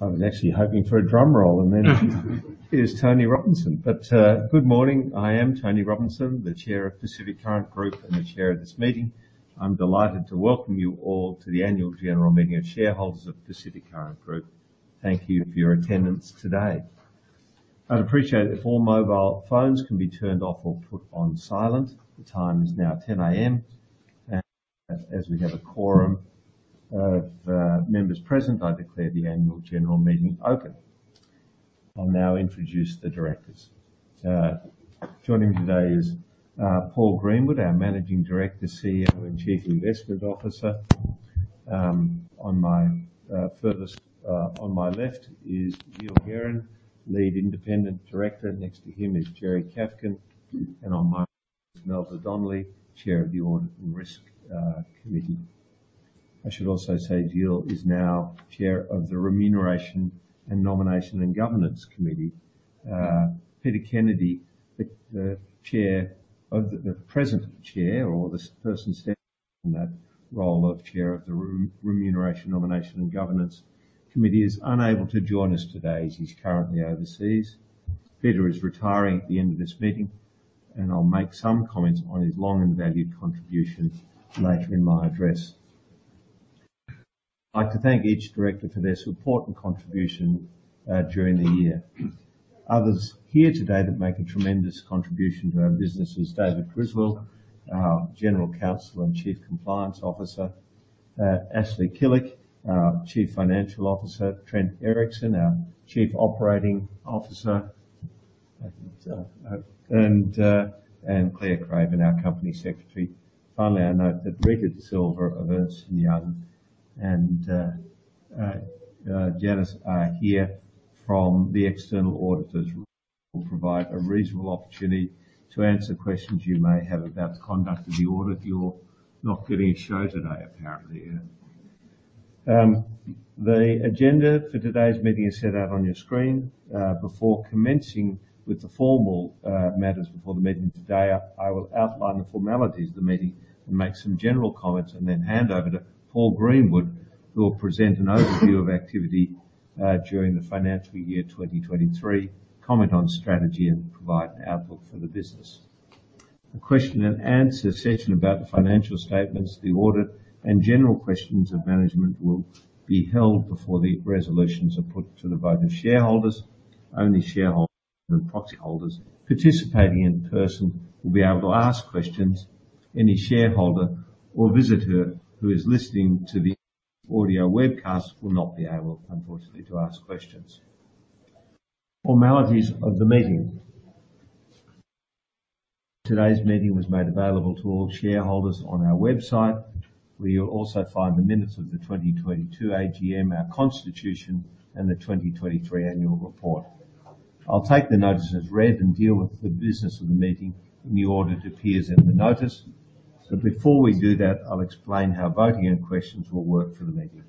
I was actually hoping for a drum roll, and then it is Tony Robinson. But, good morning. I am Tony Robinson, the Chair of Pacific Current Group and the Chair of this meeting. I'm delighted to welcome you all to the annual general meeting of shareholders of Pacific Current Group. Thank you for your attendance today. I'd appreciate it if all mobile phones can be turned off or put on silent. The time is now 10:00 A.M., and as we have a quorum of members present, I declare the annual general meeting open. I'll now introduce the directors. Joining me today is Paul Greenwood, our Managing Director, CEO, and Chief Investment Officer. On my furthest, on my left is Gil Guérin, Lead Independent Director. Next to him is Jerry Chafkin, and Mel Donnelly, Chair of the Audit and Risk Committee. I should also say Gil is now Chair of the Remuneration and Nomination and Governance Committee. Peter Kennedy, the present Chair or the person stepping in that role of Chair of the Remuneration, Nomination, and Governance Committee, is unable to join us today as he's currently overseas. Peter is retiring at the end of this meeting, and I'll make some comments on his long and valued contribution later in my address. I'd like to thank each director for their support and contribution during the year. Others here today that make a tremendous contribution to our business is David Griswold, our General Counsel and Chief Compliance Officer, Ashley Killick, our Chief Financial Officer, Trent Erickson, our Chief Operating Officer, I think, and Claire Craven, our Company Secretary. Finally, I note that Richard Silver of Ernst & Young, and Janice are here from the external auditors, will provide a reasonable opportunity to answer questions you may have about the conduct of the audit. You're not getting a show today, apparently. The agenda for today's meeting is set out on your screen. Before commencing with the formal matters before the meeting today, I will outline the formalities of the meeting and make some general comments, and then hand over to Paul Greenwood, who will present an overview of activity during the financial year 2023, comment on strategy, and provide an outlook for the business. A question and answer session about the financial statements, the audit, and general questions of management will be held before the resolutions are put to the vote of shareholders. Only shareholders and proxy holders participating in person will be able to ask questions. Any shareholder or visitor who is listening to the audio webcast will not be able, unfortunately, to ask questions. Formalities of the meeting. Today's meeting was made available to all shareholders on our website, where you'll also find the minutes of the 2022 AGM, our constitution, and the 2023 annual report. I'll take the notices read and deal with the business of the meeting in the order it appears in the notice. Before we do that, I'll explain how voting and questions will work for the meeting.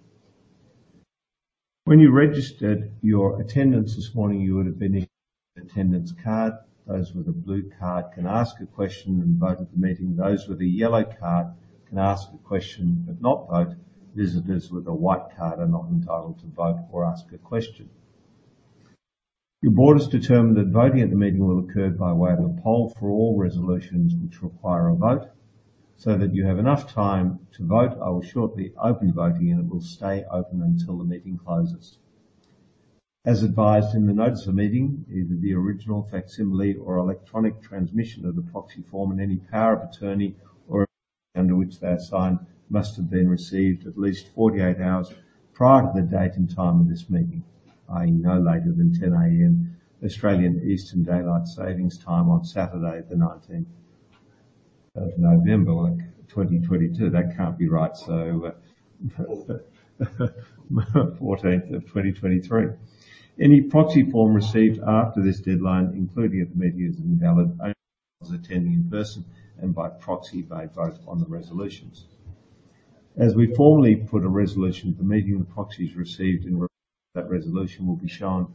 When you registered your attendance this morning, you would have been issued with an attendance card. Those with a blue card can ask a question and vote at the meeting. Those with a yellow card can ask a question, but not vote. Visitors with a white card are not entitled to vote or ask a question. Your board has determined that voting at the meeting will occur by way of a poll for all resolutions which require a vote. So that you have enough time to vote, I will shortly open voting, and it will stay open until the meeting closes. As advised in the notice of meeting, either the original facsimile or electronic transmission of the proxy form and any power of attorney or under which they are signed, must have been received at least 48 hours prior to the date and time of this meeting, no later than 10:00 A.M., Australian Eastern Daylight Savings time on Saturday the 19th of November, 2022. That can't be right, so, 14th of 2023. Any proxy form received after this deadline, including at the meeting, is invalid. Only attending in person and by proxy may vote on the resolutions. As we formally put a resolution at the meeting, the proxies received in that resolution will be shown.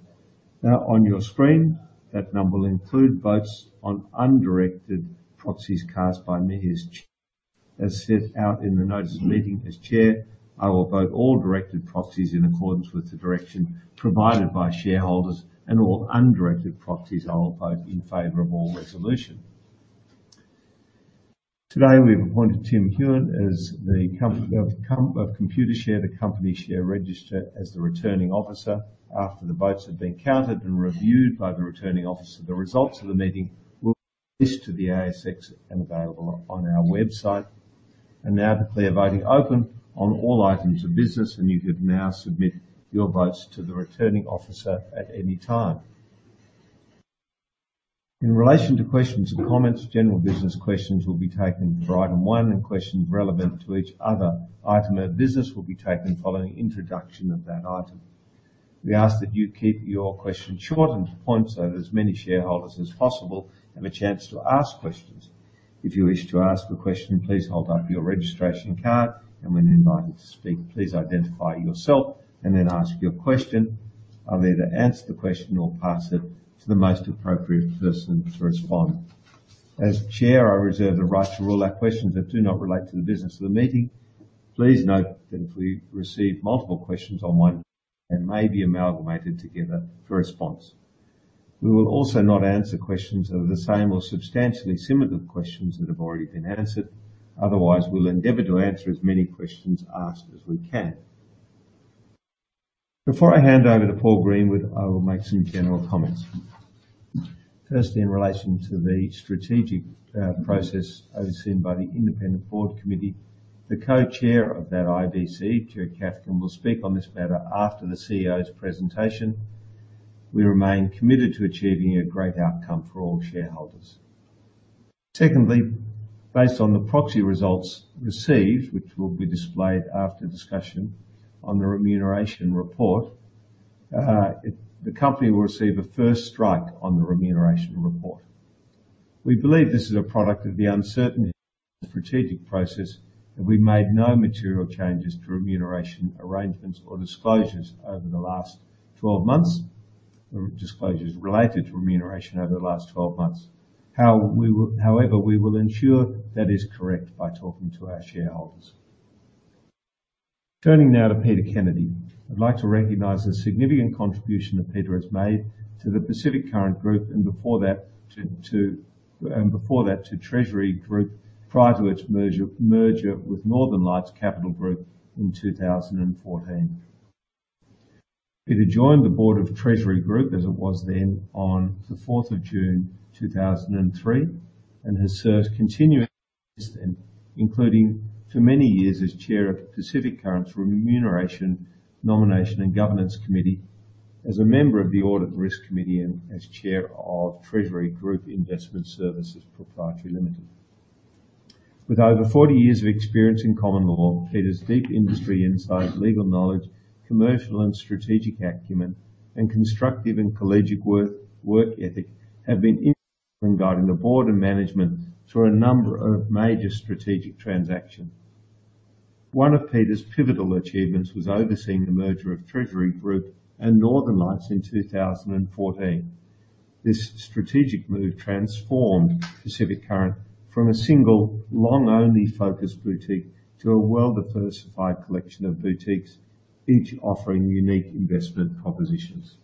Now, on your screen, that number will include votes on undirected proxies cast by me as Chair. As set out in the notice of meeting, as Chair, I will vote all directed proxies in accordance with the direction provided by shareholders, and all undirected proxies I will vote in favor of all resolution. Today, we've appointed Tim Hewat of Computershare, the company share register, as the Returning Officer. After the votes have been counted and reviewed by the Returning Officer, the results of the meeting will be issued to the ASX and available on our website. I now declare voting open on all items of business, and you can now submit your votes to the Returning Officer at any time. In relation to questions and comments, general business questions will be taken for item one, and questions relevant to each other item of business will be taken following introduction of that item. We ask that you keep your questions short and to the point, so that as many shareholders as possible have a chance to ask questions. If you wish to ask a question, please hold up your registration card, and when invited to speak, please identify yourself and then ask your question. I'll either answer the question or pass it to the most appropriate person to respond. As Chair, I reserve the right to rule out questions that do not relate to the business of the meeting. Please note that if we receive multiple questions on one, they may be amalgamated together for a response. We will also not answer questions that are the same or substantially similar to questions that have already been answered. Otherwise, we'll endeavor to answer as many questions asked as we can. Before I hand over to Paul Greenwood, I will make some general comments. Firstly, in relation to the strategic process overseen by the Independent Board Committee, the co-chair of that IBC, Jerry Chafkin, will speak on this matter after the CEO's presentation. We remain committed to achieving a great outcome for all shareholders. Secondly, based on the proxy results received, which will be displayed after discussion on the remuneration report, the company will receive a First Strike on the remuneration report. We believe this is a product of the uncertainty strategic process, and we've made no material changes to remuneration arrangements or disclosures over the last 12 months, or disclosures related to remuneration over the last 12 months. However, we will ensure that is correct by talking to our shareholders. Turning now to Peter Kennedy. I'd like to recognize the significant contribution that Peter has made to the Pacific Current Group, and before that, to Treasury Group, prior to its merger with Northern Lights Capital Group in 2014. Peter joined the board of Treasury Group, as it was then, on the 4th of June, 2003, and has served continuously since then, including for many years as Chair of Pacific Current's Remuneration, Nomination, and Governance Committee, as a member of the Audit and Risk Committee, and as Chair of Treasury Group Investment Services Proprietary Limited. With over 40 years of experience in common law, Peter's deep industry insight, legal knowledge, commercial and strategic acumen, and constructive and collegiate work ethic, have been in guiding the board and management through a number of major strategic transactions. One of Peter's pivotal achievements was overseeing the merger of Treasury Group and Northern Lights in 2014. This strategic move transformed Pacific Current from a single loan-only focused boutique to a well-diversified collection of boutiques, each offering unique investment propositions.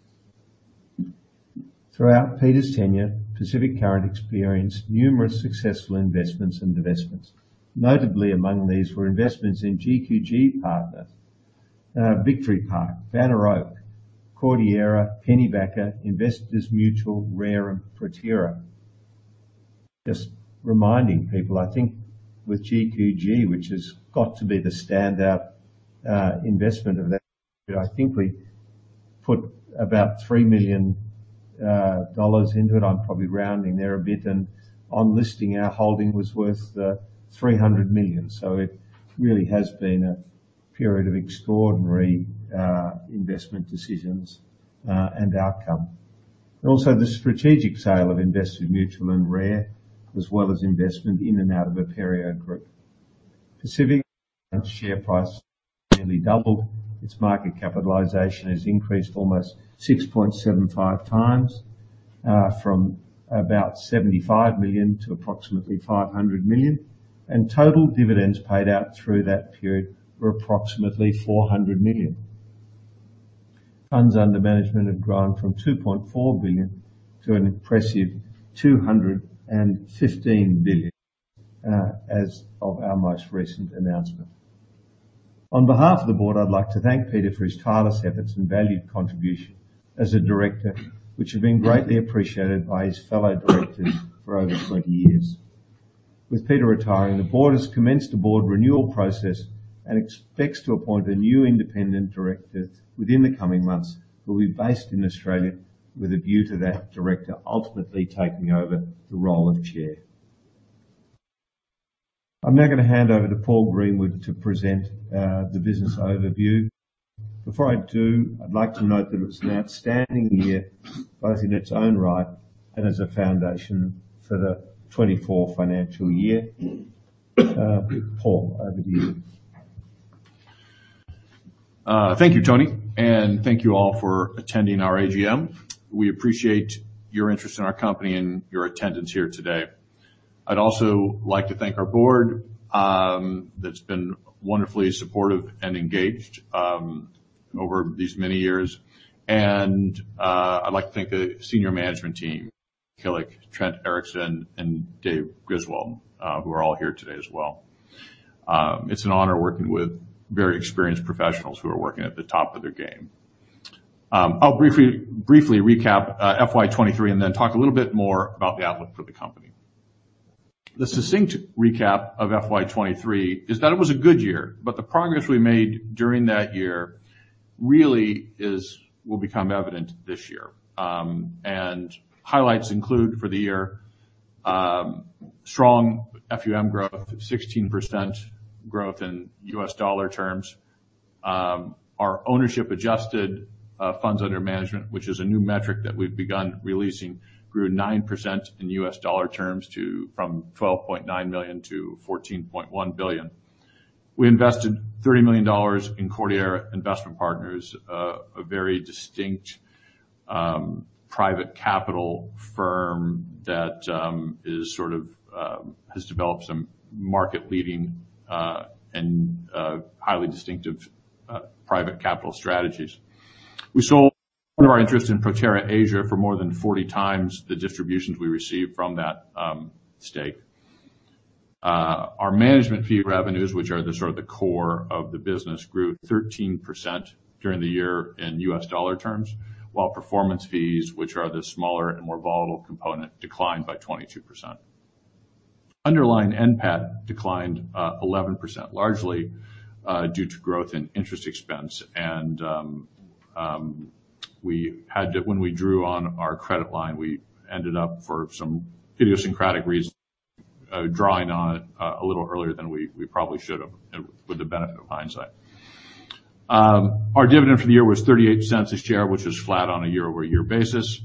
Throughout Peter's tenure, Pacific Current Group experienced numerous successful investments and divestments. Notably, among these were investments in GQG Partners, Victory Park, Banner Oak, Cordillera, Pennybacker, Investors Mutual, Rare, and Proterra. Just reminding people, I think with GQG, which has got to be the standout investment of that. I think we put about 3 million dollars into it. I'm probably rounding there a bit, and on listing, our holding was worth 300 million. So it really has been a period of extraordinary investment decisions and outcome. Also, the strategic sale of Investors Mutual and Rare, as well as investment in and out of Aperio Group. Pacific Current Group share price nearly doubled. Its market capitalization has increased almost 6.75x, from about 75 million to approximately 500 million, and total dividends paid out through that period were approximately 400 million. Funds under management have grown from 2.4 billion to an impressive 215 billion as of our most recent announcement. On behalf of the board, I'd like to thank Peter for his tireless efforts and valued contribution as a director, which have been greatly appreciated by his fellow directors for over 20 years. With Peter retiring, the board has commenced a board renewal process and expects to appoint a new independent director within the coming months, who will be based in Australia, with a view to that director ultimately taking over the role of chair. I'm now going to hand over to Paul Greenwood to present the business overview. Before I do, I'd like to note that it was an outstanding year, both in its own right and as a foundation for the 2024 financial year. Paul, over to you. Thank you, Tony, and thank you all for attending our AGM. We appreciate your interest in our company and your attendance here today. I'd also like to thank our board, that's been wonderfully supportive and engaged over these many years. I'd like to thank the senior management team, Killick, Trent Erickson, and David Griswold, who are all here today as well. It's an honor working with very experienced professionals who are working at the top of their game. I'll briefly recap FY 2023, and then talk a little bit more about the outlook for the company. The succinct recap of FY 2023 is that it was a good year, but the progress we made during that year really is, will become evident this year. And highlights include, for the year, strong FUM growth, 16% growth in US dollar terms. Our ownership-adjusted funds under management, which is a new metric that we've begun releasing, grew 9% in US dollar terms from $12.9 million to $14.1 billion. We invested $30 million in Cordillera Investment Partners, a very distinct private capital firm that is sort of has developed some market-leading and highly distinctive private capital strategies. We sold one of our interests in Proterra Asia for more than 40x the distributions we received from that stake. Our management fee revenues, which are the sort of the core of the business, grew 13% during the year in US dollar terms, while performance fees, which are the smaller and more volatile component, declined by 22%. Underlying NPAT declined 11%, largely due to growth in interest expense. And we had to when we drew on our credit line, we ended up, for some idiosyncratic reasons, drawing on it a little earlier than we probably should have, with the benefit of hindsight. Our dividend for the year was 0.38 a share, which was flat on a year-over-year basis.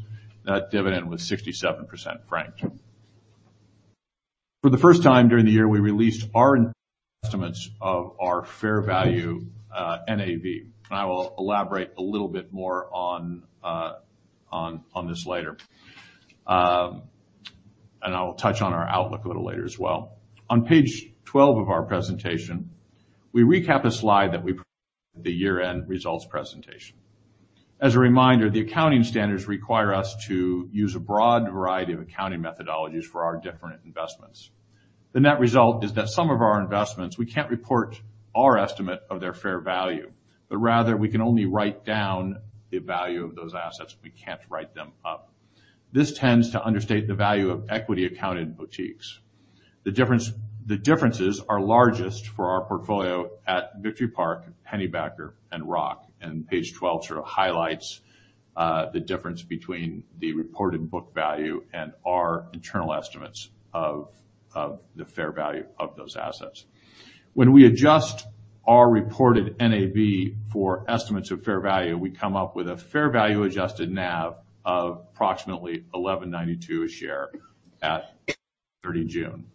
That dividend was 67% franked. For the first time during the year, we released our estimates of our fair value NAV. And I will elaborate a little bit more on this later. And I will touch on our outlook a little later as well. On page 12 of our presentation, we recap a slide that we the year-end results presentation. As a reminder, the accounting standards require us to use a broad variety of accounting methodologies for our different investments. The net result is that some of our investments, we can't report our estimate of their fair value, but rather we can only write down the value of those assets. We can't write them up. This tends to understate the value of equity accounted boutiques. The difference, the differences are largest for our portfolio at Victory Park, Pennybacker, and Rock. And page 12 sort of highlights the difference between the reported book value and our internal estimates of, of the fair value of those assets. When we adjust our reported NAV for estimates of fair value, we come up with a fair value adjusted NAV of approximately 11.92 a share at 30 June.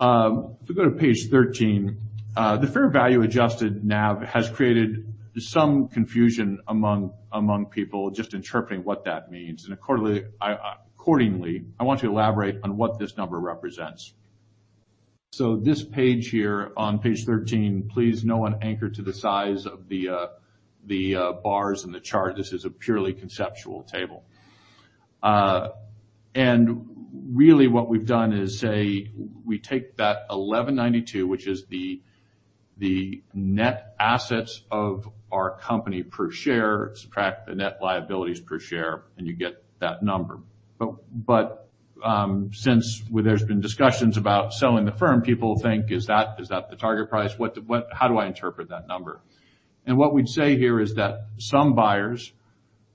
If you go to page 13, the Fair Value Adjusted NAV has created some confusion among, among people just interpreting what that means. Accordingly, I, accordingly, I want to elaborate on what this number represents. So this page here on page 13, please no one anchor to the size of the, the, bars in the chart. This is a purely conceptual table. And really what we've done is say, we take that 11.92, which is the, the net assets of our company per share, subtract the net liabilities per share, and you get that number. But, but, since there's been discussions about selling the firm, people think, is that, is that the target price? What the what, how do I interpret that number? What we'd say here is that some buyers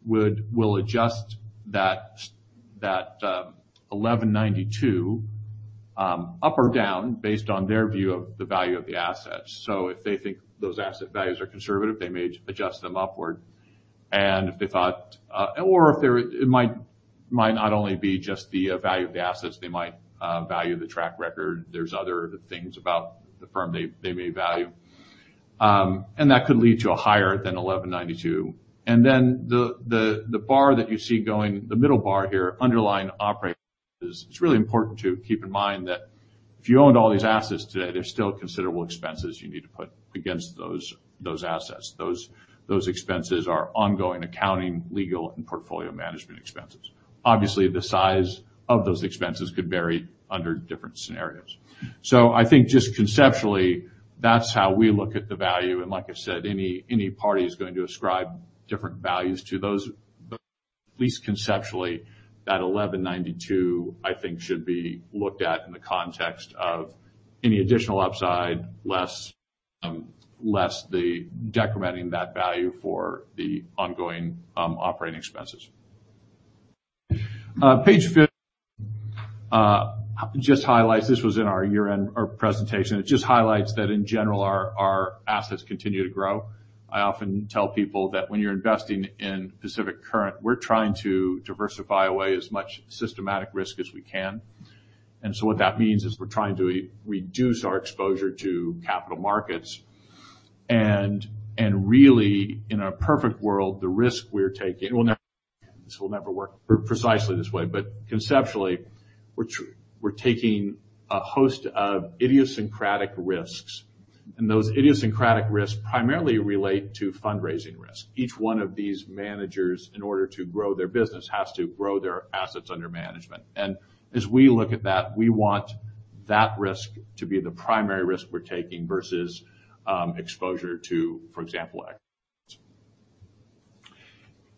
would will adjust that 11.92 up or down based on their view of the value of the assets. So if they think those asset values are conservative, they may adjust them upward. And if they thought or if there it might not only be just the value of the assets, they might value the track record. There's other things about the firm they may value. And that could lead to a higher than 11.92. And then the bar that you see going, the middle bar here, underlying operating. It's really important to keep in mind that if you owned all these assets today, there's still considerable expenses you need to put against those assets. Those expenses are ongoing accounting, legal, and portfolio management expenses. Obviously, the size of those expenses could vary under different scenarios. So I think just conceptually, that's how we look at the value, and like I said, any, any party is going to ascribe different values to those. But at least conceptually, that 11.92, I think, should be looked at in the context of any additional upside, less, less the decrementing that value for the ongoing operating expenses. Page 15 just highlights. This was in our year-end presentation. It just highlights that in general, our assets continue to grow. I often tell people that when you're investing in Pacific Current, we're trying to diversify away as much systematic risk as we can. And so what that means is we're trying to reduce our exposure to capital markets. Really, in a perfect world, the risk we're taking will never, this will never work precisely this way. But conceptually, we're taking a host of idiosyncratic risks, and those idiosyncratic risks primarily relate to fundraising risk. Each one of these managers, in order to grow their business, has to grow their assets under management. And as we look at that, we want that risk to be the primary risk we're taking versus exposure to, for example, equities.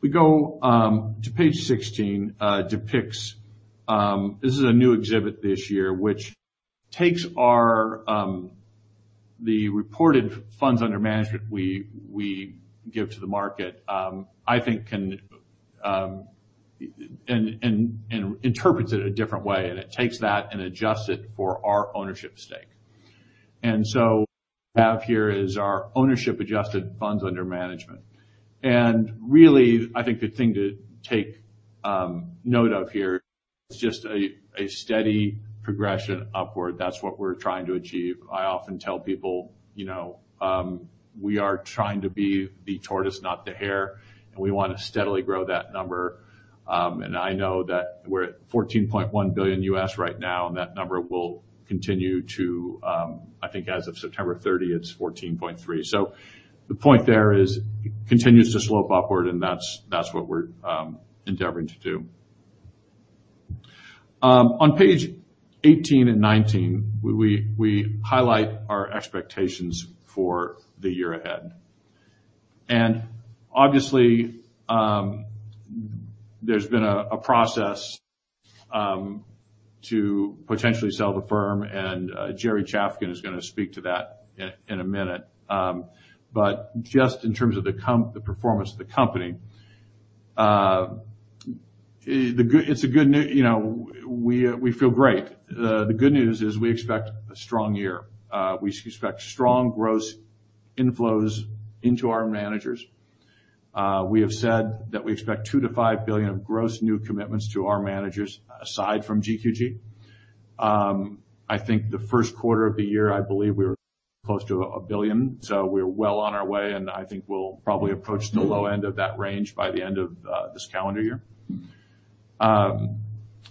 We go to page 16, depicts. This is a new exhibit this year, which takes our the reported funds under management we give to the market. I think can and interprets it a different way, and it takes that and adjusts it for our ownership stake. And so have here is our ownership adjusted funds under management. Really, I think the thing to take note of here, it's just a steady progression upward. That's what we're trying to achieve. I often tell people, you know, we are trying to be the tortoise, not the hare, and we want to steadily grow that number. And I know that we're at $14.1 billion right now, and that number will continue to, I think as of September 30, it's $14.3 billion. So the point there is, continues to slope upward, and that's what we're endeavoring to do. On page 18 and 19, we highlight our expectations for the year ahead. And obviously, there's been a process to potentially sell the firm, and Jerry Chafkin is gonna speak to that in a minute. But just in terms of the comp, the performance of the company, it's a good news, you know, we feel great. The good news is we expect a strong year. We expect strong gross inflows into our managers. We have said that we expect $2-$5 billion of gross new commitments to our managers, aside from GQG. I think the first quarter of the year, I believe we were close to $1 billion, so we're well on our way, and I think we'll probably approach the low end of that range by the end of this calendar year.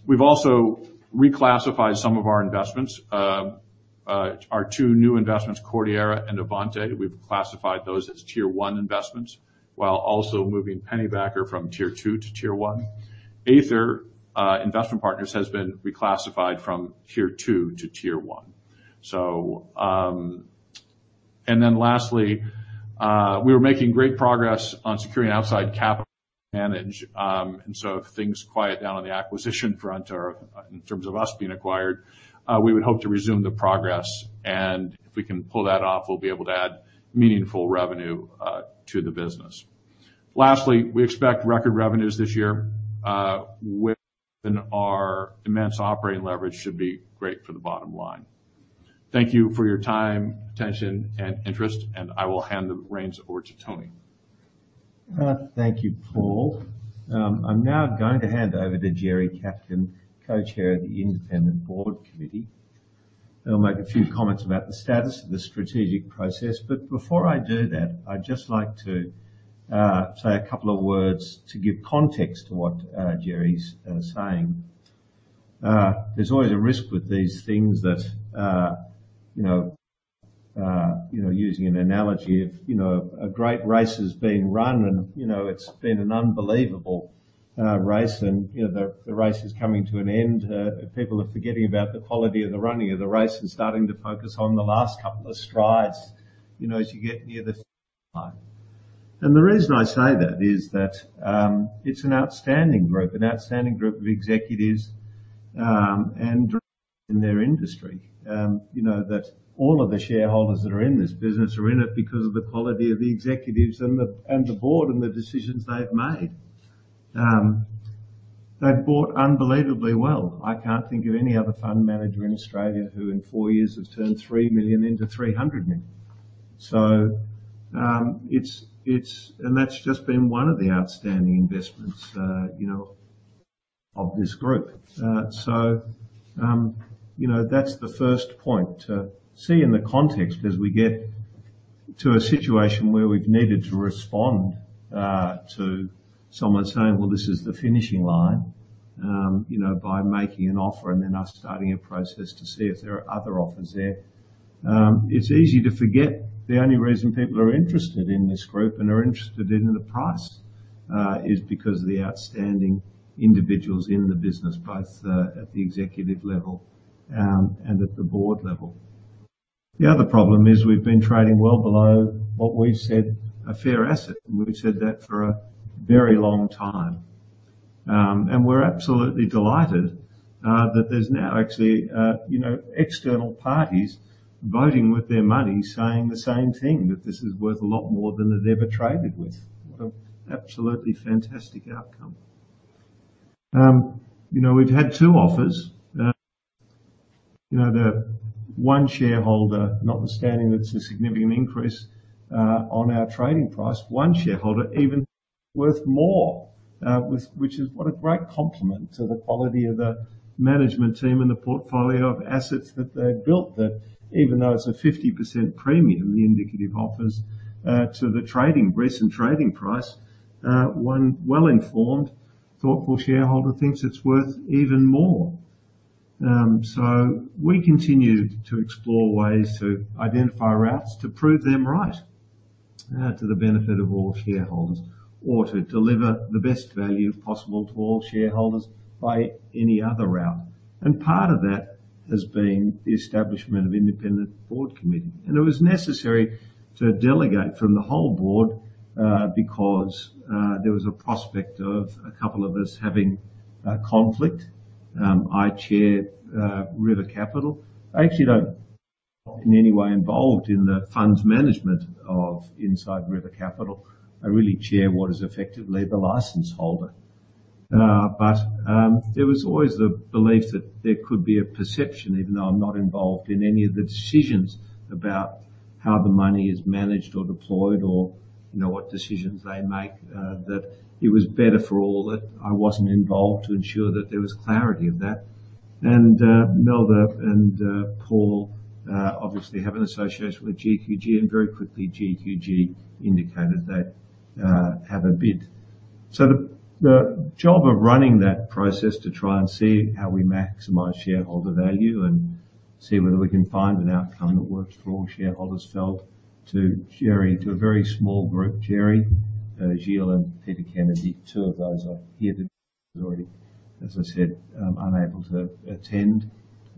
We've also reclassified some of our investments. Our two new investments, Cordillera and Avante. We've classified those as Tier 1 investments, while also moving Pennybacker from Tier 2 to Tier 1. Aether Investment Partners has been reclassified from Tier 2 to Tier 1. So, and then lastly, we were making great progress on securing outside capital manage. And so if things quiet down on the acquisition front or in terms of us being acquired, we would hope to resume the progress, and if we can pull that off, we'll be able to add meaningful revenue to the business. Lastly, we expect record revenues this year, with our immense operating leverage should be great for the bottom line. Thank you for your time, attention, and interest, and I will hand the reins over to Tony. Thank you, Paul. I'm now going to hand over to Jerry Chafkin, co-chair of the Independent Board Committee. He'll make a few comments about the status of the strategic process, but before I do that, I'd just like to say a couple of words to give context to what Jerry's saying. There's always a risk with these things that, you know, using an analogy of, you know, a great race is being run, and, you know, it's been an unbelievable race and, you know, the race is coming to an end. People are forgetting about the quality of the running of the race and starting to focus on the last couple of strides, you know, as you get near the finish line. And the reason I say that is that, it's an outstanding group, an outstanding group of executives, and in their industry. You know, that all of the shareholders that are in this business are in it because of the quality of the executives and the, and the board and the decisions they've made. They've bought unbelievably well. I can't think of any other fund manager in Australia who, in four yearcs, has turned 3 million into 300 million. So, it's. And that's just been one of the outstanding investments, you know, of this group. So, you know, that's the first point to see in the context, as we get to a situation where we've needed to respond, to someone saying: Well, this is the finishing line. You know, by making an offer and then us starting a process to see if there are other offers there. It's easy to forget the only reason people are interested in this group and are interested in the price is because of the outstanding individuals in the business, both at the executive level and at the board level. The other problem is we've been trading well below what we've said, a fair asset, and we've said that for a very long time. And we're absolutely delighted that there's now actually you know external parties voting with their money, saying the same thing, that this is worth a lot more than they've ever traded with. An absolutely fantastic outcome. You know, we've had two offers. You know, the one shareholder, notwithstanding, that's a significant increase on our trading price. One shareholder even worth more, which is what a great compliment to the quality of the management team and the portfolio of assets that they've built. That even though it's a 50% premium, the indicative offers to the recent trading price, one well-informed, thoughtful shareholder thinks it's worth even more. So we continue to explore ways to identify routes to prove them right, to the benefit of all shareholders, or to deliver the best value possible to all shareholders by any other route. Part of that has been the establishment of the Independent Board Committee. It was necessary to delegate from the whole board, because there was a prospect of a couple of us having a conflict. I chair River Capital. I actually don't, in any way, involved in the fund's management of inside River Capital. I really chair what is effectively the license holder. But there was always the belief that there could be a perception, even though I'm not involved in any of the decisions about how the money is managed or deployed or, you know, what decisions they make, that it was better for all that I wasn't involved to ensure that there was clarity of that. And Mel and Paul obviously have an association with GQG, and very quickly, GQG indicated they have a bid. So the job of running that process to try and see how we maximize shareholder value and see whether we can find an outcome that works for all shareholders fell to Jerry, to a very small group, Jerry, Gilles, and Peter Kennedy. Two of those are here today, as I said, unable to attend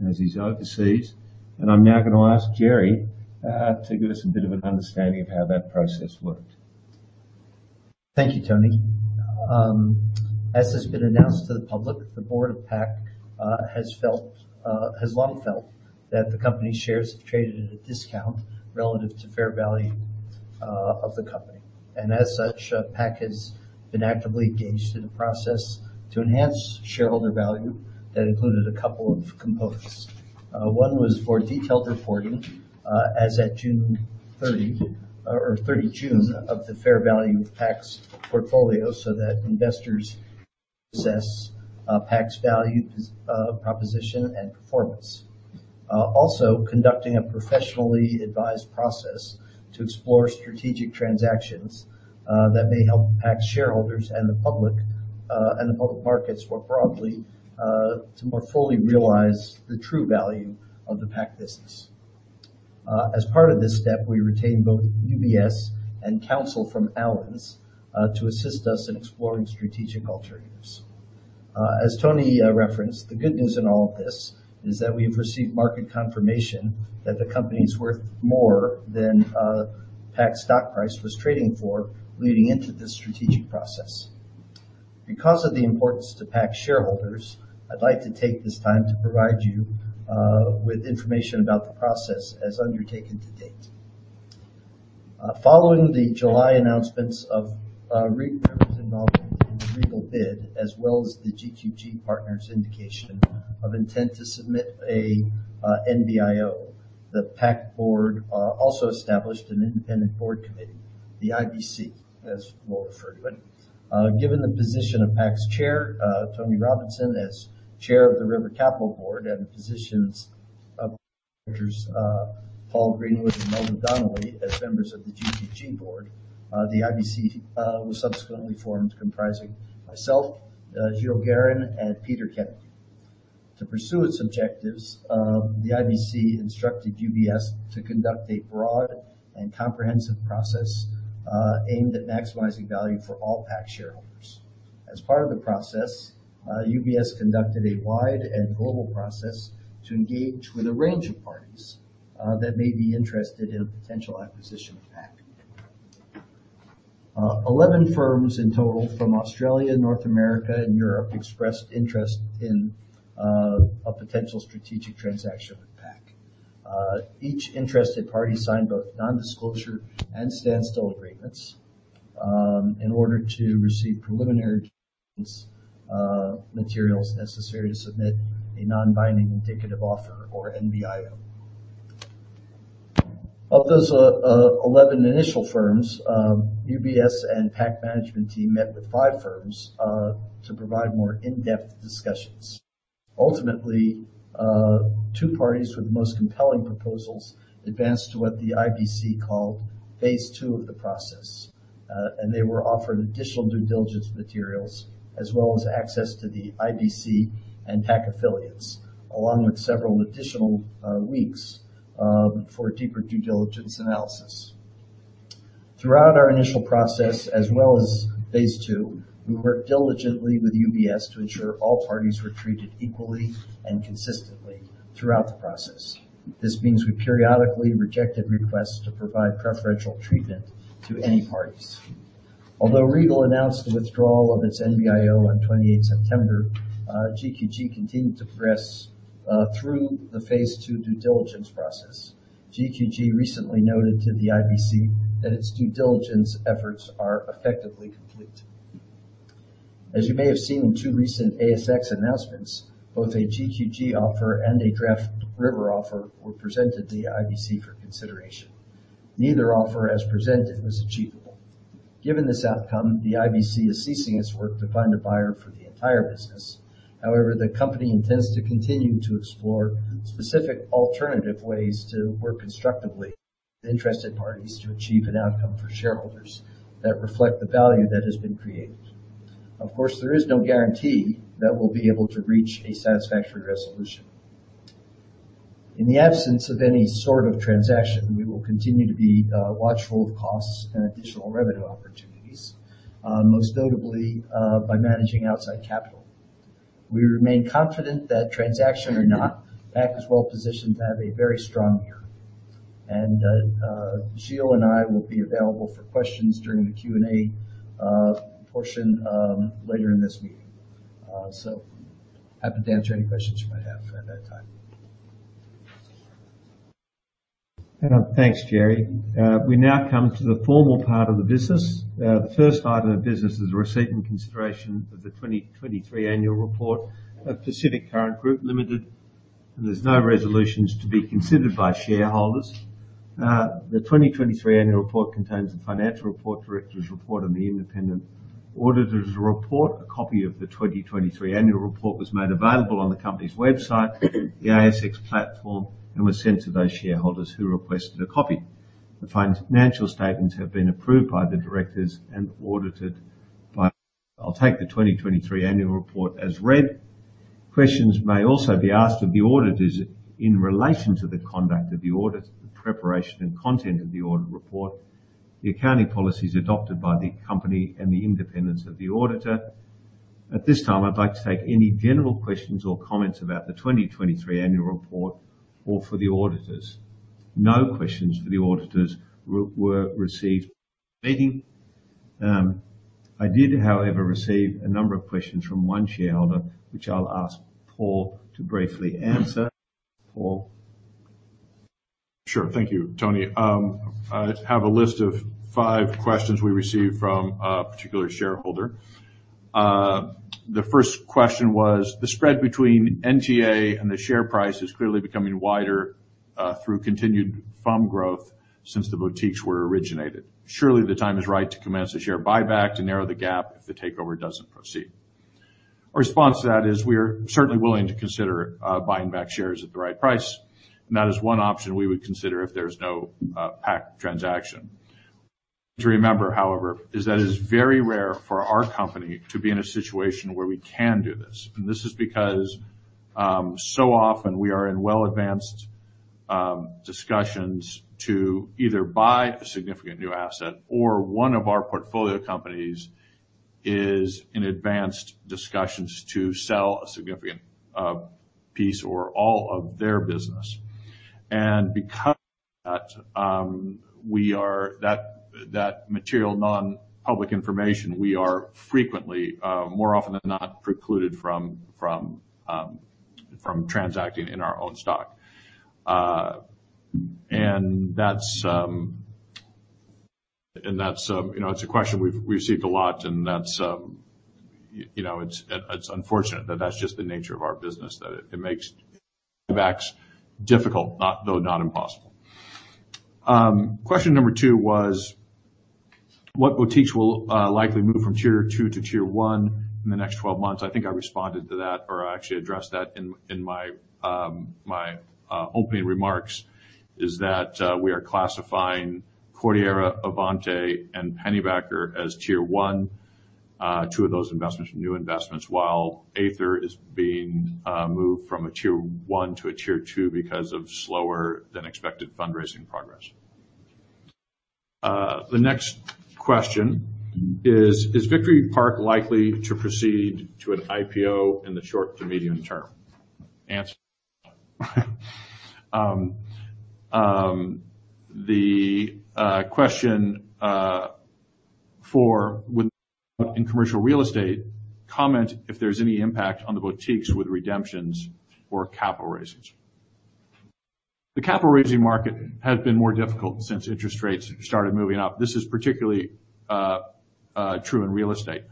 as he's overseas. I'm now going to ask Jerry to give us a bit of an understanding of how that process worked. Thank you, Tony. As has been announced to the public, the board of PAC has felt, has long felt that the company's shares have traded at a discount relative to fair value of the company. And as such, PAC has been actively engaged in a process to enhance shareholder value that included a couple of components. One was for detailed reporting, as at June 30, or 30 June, of the fair value of PAC's portfolio, so that investors assess PAC's value proposition, and performance. Also, conducting a professionally advised process to explore strategic transactions that may help PAC shareholders and the public, and the public markets more broadly, to more fully realize the true value of the PAC business. As part of this step, we retained both UBS and counsel from Allens to assist us in exploring strategic alternatives. As Tony referenced, the good news in all of this is that we've received market confirmation that the company is worth more than PAC's stock price was trading for leading into this strategic process. Because of the importance to PAC shareholders, I'd like to take this time to provide you with information about the process as undertaken to date. Following the July announcements of River's involvement in the Regal bid, as well as the GQG Partners indication of intent to submit a NBIO, the PAC board also established an independent board committee, the IBC, as we'll refer to it. Given the position of PAC's Chair, Tony Robinson, as Chair of the River Capital Board, and the positions of directors, Paul Greenwood and Mel Donnelly, as members of the GQG board, the IBC was subsequently formed, comprising myself, Gilles Guérin, and Peter Kennedy. To pursue its objectives, the IBC instructed UBS to conduct a broad and comprehensive process aimed at maximizing value for all PAC shareholders. As part of the process, UBS conducted a wide and global process to engage with a range of parties that may be interested in a potential acquisition of PAC. 11 firms in total from Australia, North America, and Europe, expressed interest in a potential strategic transaction with PAC. Each interested party signed both nondisclosure and standstill agreements, in order to receive preliminary materials necessary to submit a non-binding indicative offer or NBIO. Of those, eleven initial firms, UBS and PAC management team met with five firms, to provide more in-depth discussions. Ultimately, two parties with the most compelling proposals advanced to what the IBC called Phase Two of the process. They were offered additional due diligence materials, as well as access to the IBC and PAC affiliates, along with several additional weeks, for deeper due diligence analysis. Throughout our initial process, as well as Phase Two, we worked diligently with UBS to ensure all parties were treated equally and consistently throughout the process. This means we periodically rejected requests to provide preferential treatment to any parties. Although Regal announced the withdrawal of its NBIO on 28 September, GQG continued to progress through the Phase Two due diligence process. GQG recently noted to the IBC that its due diligence efforts are effectively complete. As you may have seen in two recent ASX announcements, both a GQG offer and a draft River offer were presented to the IBC for consideration. Neither offer, as presented, was achievable. Given this outcome, the IBC is ceasing its work to find a buyer for the entire business. However, the company intends to continue to explore specific alternative ways to work constructively with interested parties to achieve an outcome for shareholders that reflect the value that has been created. Of course, there is no guarantee that we'll be able to reach a satisfactory resolution. In the absence of any sort of transaction, we will continue to be watchful of costs and additional revenue opportunities, most notably, by managing outside capital. We remain confident that transaction or not, PAC is well positioned to have a very strong year. And, Gilles and I will be available for questions during the Q&A portion later in this meeting. So happy to answer any questions you might have at that time. Thanks, Jerry. We now come to the formal part of the business. The first item of business is the receipt and consideration of the 2023 annual report of Pacific Current Group Limited, and there's no resolutions to be considered by shareholders. The 2023 annual report contains the financial report, directors' report, and the independent auditor's report. A copy of the 2023 annual report was made available on the company's website, the ASX platform, and was sent to those shareholders who requested a copy. The financial statements have been approved by the directors and audited by. I'll take the 2023 annual report as read. Questions may also be asked of the auditors in relation to the conduct of the audit, the preparation and content of the audit report, the accounting policies adopted by the company, and the independence of the auditor. At this time, I'd like to take any general questions or comments about the 2023 annual report or for the auditors. No questions for the auditors were received. I did, however, receive a number of questions from one shareholder, which I'll ask Paul to briefly answer. Paul? Sure. Thank you, Tony. I have a list of five questions we received from a particular shareholder. The first question was: the spread between NGA and the share price is clearly becoming wider through continued FUM growth since the boutiques were originated. Surely, the time is right to commence a share buyback to narrow the gap if the takeover doesn't proceed. Our response to that is, we are certainly willing to consider buying back shares at the right price, and that is one option we would consider if there's no PAC transaction. To remember, however, is that it's very rare for our company to be in a situation where we can do this. This is because, so often we are in well-advanced discussions to either buy a significant new asset, or one of our portfolio companies is in advanced discussions to sell a significant piece or all of their business. Because of that, we are - that material, non-public information, we are frequently, more often than not, precluded from transacting in our own stock. And that's, you know, it's a question we've received a lot, and that's, you know, it's unfortunate that that's just the nature of our business, that it makes buybacks difficult, not - though not impossible. Question number 2 was: What boutiques will likely move from Tier 2 to Tier 1 in the next 12 months? I think I responded to that, or I actually addressed that in my opening remarks, is that we are classifying Cordillera, Avante, and Pennybacker as Tier 1, two of those investments, new investments, while Aether is being moved from a Tier 1 to a Tier 2 because of slower than expected fundraising progress. The next question is: is Victory Park likely to proceed to an IPO in the short to medium term? Answer, the question four, within commercial real estate, comment if there's any impact on the boutiques with redemptions or capital raises. The capital raising market has been more difficult since interest rates started moving up. This is particularly true in real estate.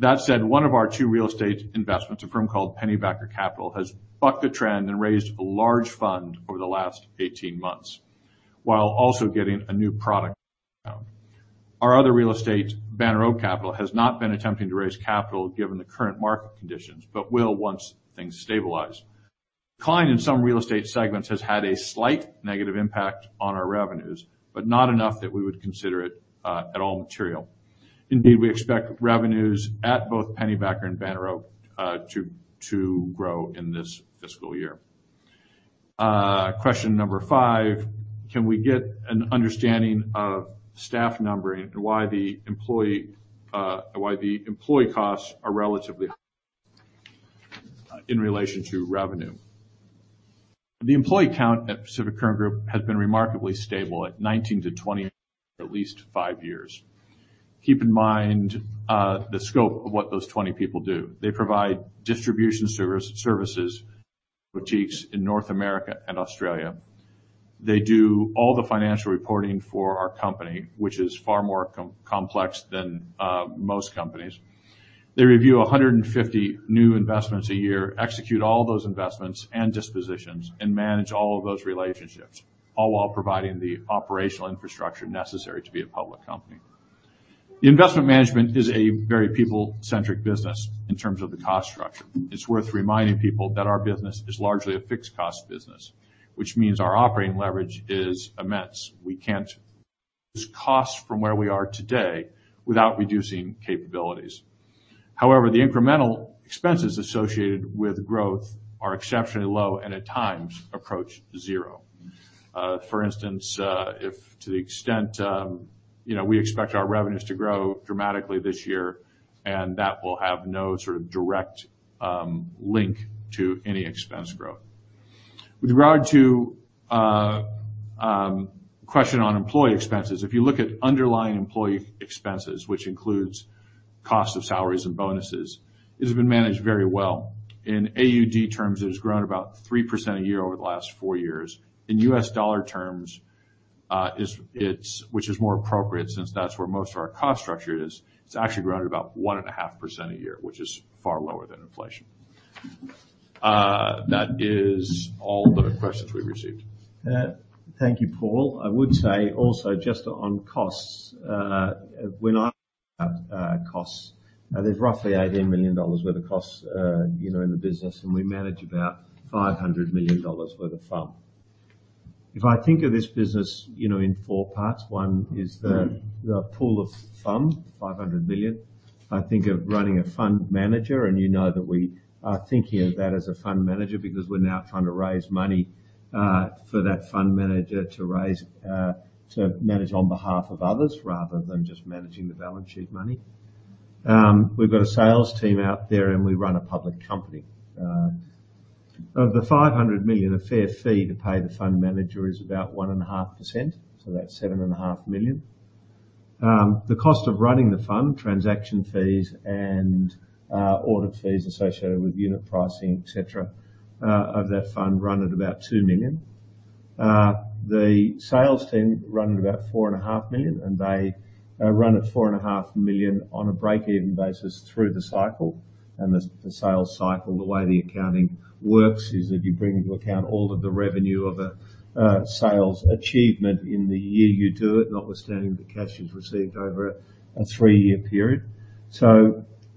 That said, one of our two real estate investments, a firm called Pennybacker Capital, has bucked the trend and raised a large fund over the last 18 months, while also getting a new product. Our other real estate, Banner Oak Capital, has not been attempting to raise capital, given the current market conditions, but will once things stabilize. Decline in some real estate segments has had a slight negative impact on our revenues, but not enough that we would consider it at all material. Indeed, we expect revenues at both Pennybacker and Banner Oak to grow in this fiscal year. Question number 5: can we get an understanding of staff numbering and why the employee costs are relatively in relation to revenue? The employee count at Pacific Current Group has been remarkably stable at 19-20 for at least five years. Keep in mind the scope of what those 20 people do. They provide distribution service, services, boutiques in North America and Australia. They do all the financial reporting for our company, which is far more complex than most companies. They review 150 new investments a year, execute all those investments and dispositions, and manage all of those relationships, all while providing the operational infrastructure necessary to be a public company. The investment management is a very people-centric business in terms of the cost structure. It's worth reminding people that our business is largely a fixed cost business, which means our operating leverage is immense. We can't lose costs from where we are today without reducing capabilities. However, the incremental expenses associated with growth are exceptionally low and at times approach zero. For instance, if to the extent, you know, we expect our revenues to grow dramatically this year, and that will have no sort of direct link to any expense growth. With regard to Question on employee expenses. If you look at underlying employee expenses, which includes cost of salaries and bonuses, it has been managed very well. In AUD terms, it has grown about 3% a year over the last four years. In U.S. dollar terms, which is more appropriate, since that's where most of our cost structure is. It's actually grown at about 1.5% a year, which is far lower than inflation. That is all the questions we received. Thank you, Paul. I would say also, just on costs, there's roughly 18 million dollars worth of costs, you know, in the business, and we manage about 500 million dollars worth of fund. If I think of this business, you know, in four parts, one is the, the pool of funds, 500 million. I think of running a fund manager, and you know that we are thinking of that as a fund manager because we're now trying to raise money, for that fund manager to raise, to manage on behalf of others rather than just managing the balance sheet money. We've got a sales team out there, and we run a public company. Of the 500 million, a fair fee to pay the fund manager is about 1.5%, so that's 7.5 million. The cost of running the fund, transaction fees and audit fees associated with unit pricing, et cetera, of that fund run at about 2 million. The sales team run at about 4.5 million, and they run at 4.5 million on a break-even basis through the cycle. The sales cycle, the way the accounting works is that you bring into account all of the revenue of a sales achievement in the year you do it, notwithstanding the cash is received over a 3-year period.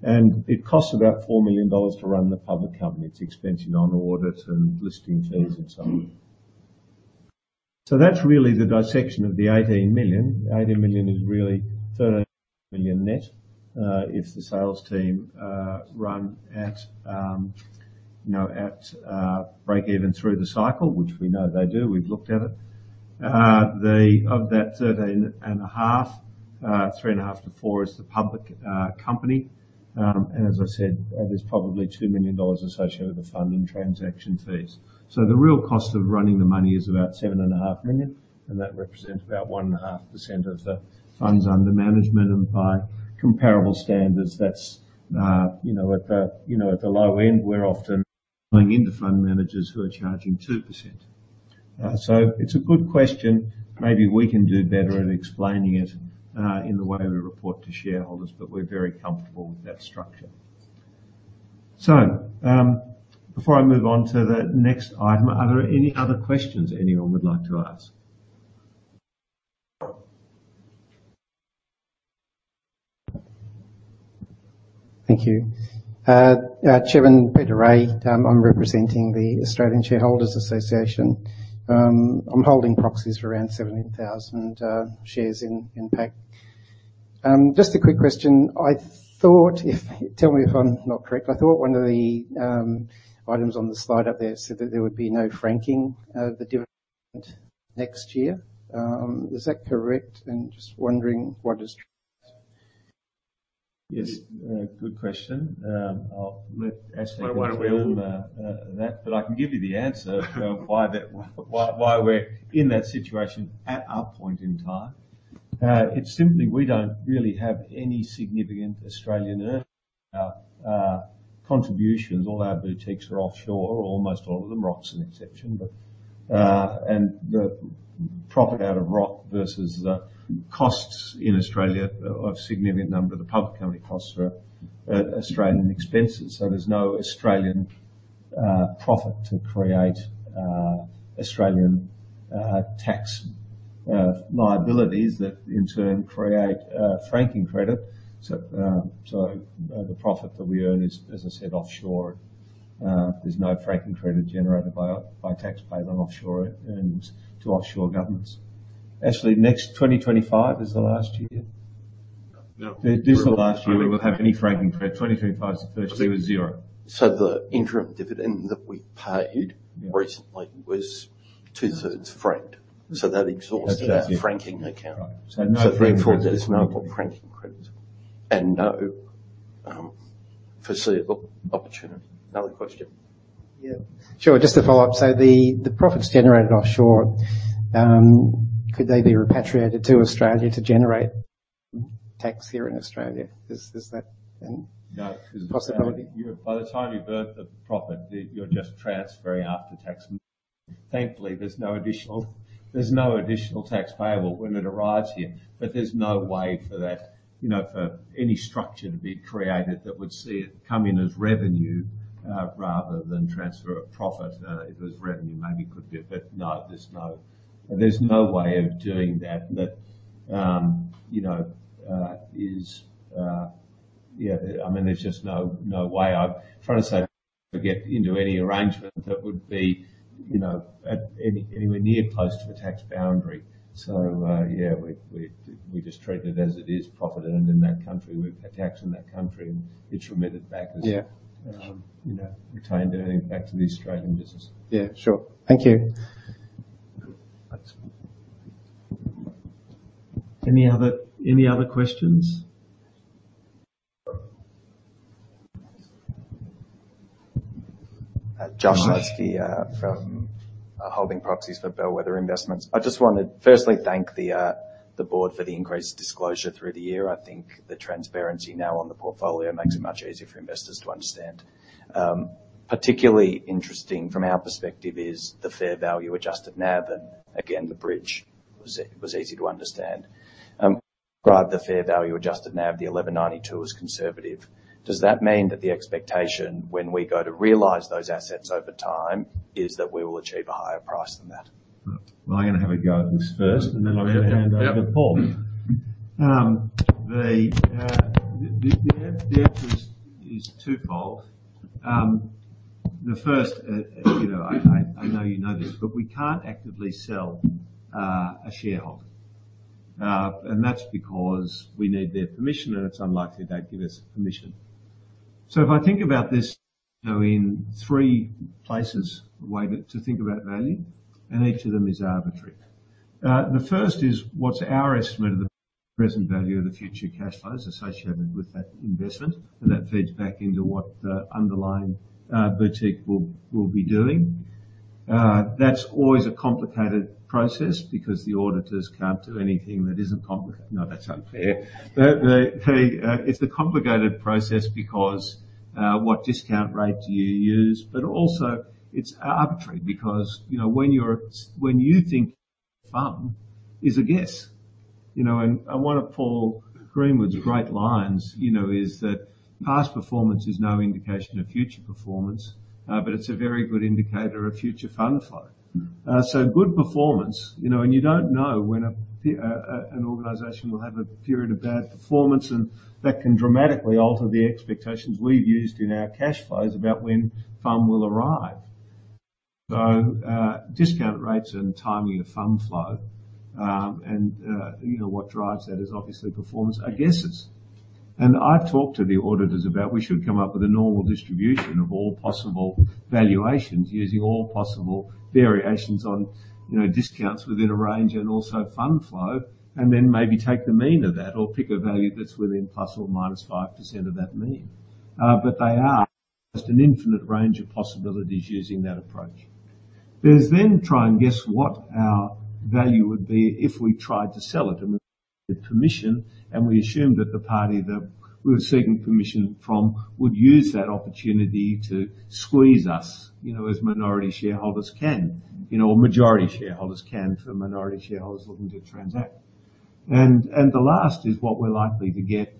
And it costs about 4 million dollars to run the public company. It's expense on audit and listing fees and so on. So that's really the dissection of the 18 million. 18 million is really 13 million net. If the sales team run at, you know, at break even through the cycle, which we know they do, we've looked at it. Of that 13.5, 3.5-4 is the public company. And as I said, there's probably 2 million dollars associated with the fund and transaction fees. So the real cost of running the money is about 7.5 million, and that represents about 1.5% of the funds under management. And by comparable standards, that's, you know, at the low end, we're often going into fund managers who are charging 2%. So it's a good question. Maybe we can do better at explaining it, in the way we report to shareholders, but we're very comfortable with that structure. So, before I move on to the next item, are there any other questions anyone would like to ask? Thank you. Chairman Peter Rae, I'm representing the Australian Shareholders Association. I'm holding proxies for around 17,000 shares in PAC. Just a quick question. I thought if, tell me if I'm not correct. I thought one of the items on the slide up there said that there would be no franking the dividend next year. Is that correct? And just wondering what is? Yes, good question. I'll let Ashley explain that, but I can give you the answer why that, why we're in that situation at our point in time. It's simply we don't really have any significant Australian earnings contributions. All our blue chips are offshore, or almost all of them, Rock's an exception. But and the profit out of Rock versus the costs in Australia of significant number, the public company costs are Australian expenses. So there's no Australian profit to create Australian tax liabilities that in turn create a franking credit. So the profit that we earn is, as I said, offshore. There's no franking credit generated by tax paid on offshore earnings to offshore governments. Ashley, next 2025 is the last year? No. This is the last year we will have any franking credit. 2025-2030 with zero. So the interim dividend that we paid recently was 2/3 franked. So that exhausted- That's it. - our franking account. So no franking. So therefore, there's no more franking credit and no foreseeable opportunity. Another question? Yeah, sure. Just to follow up, so the profits generated offshore could they be repatriated to Australia to generate tax here in Australia? Is that a- No. - possibility? By the time you've earned the profit, you're just transferring after tax. Thankfully, there's no additional tax payable when it arrives here, but there's no way for that, you know, for any structure to be created that would see it come in as revenue rather than transfer of profit. If it was revenue, maybe it could be, but no, there's no way of doing that. That, you know, yeah, I mean, there's just no way. I'm trying to say to get into any arrangement that would be, you know, anywhere near close to the tax boundary. So, we just treat it as it is, profit earned in that country. We've paid tax in that country, and it's remitted back as Yeah. - you know, retained earnings back to the Australian business. Yeah, sure. Thank you. Thanks. Any other questions? John Huskey from holding proxies for Bellwether Investments. I just want to firstly thank the board for the increased disclosure through the year. I think the transparency now on the portfolio makes it much easier for investors to understand. Particularly interesting from our perspective is the Fair Value Adjusted NAV, and again, the bridge was easy to understand. But the Fair Value Adjusted NAV, the 11.92 is conservative. Does that mean that the expectation when we go to realize those assets over time is that we will achieve a higher price than that? Well, I'm going to have a go at this first, and then I'm going to hand over to Paul. The answer is twofold. The first, you know, I know you know this, but we can't actively sell a shareholder. And that's because we need their permission, and it's unlikely they'd give us permission. So if I think about this, you know, in three places, a way to think about value, and each of them is arbitrary. The first is what's our estimate of the present value of the future cash flows associated with that investment, and that feeds back into what the underlying boutique will be doing. That's always a complicated process because the auditors can't do anything that isn't complicated. No, that's unfair. But it's a complicated process because what discount rate do you use? But also it's arbitrary because, you know, when you think FUM is a guess. You know, and one of Paul Greenwood's great lines, you know, is that past performance is no indication of future performance, but it's a very good indicator of future fund flow. So good performance, you know, and you don't know when an organization will have a period of bad performance, and that can dramatically alter the expectations we've used in our cash flows about when FUM will arrive. So discount rates and timing of fund flow, and you know, what drives that is obviously performance are guesses. I've talked to the auditors about we should come up with a normal distribution of all possible valuations using all possible variations on, you know, discounts within a range and also fund flow, and then maybe take the mean of that or pick a value that's within ±5% of that mean. But they are just an infinite range of possibilities using that approach. There's then try and guess what our value would be if we tried to sell it and with permission, and we assumed that the party that we were seeking permission from would use that opportunity to squeeze us, you know, as minority shareholders can. You know, majority shareholders can, for minority shareholders looking to transact. And the last is what we're likely to get.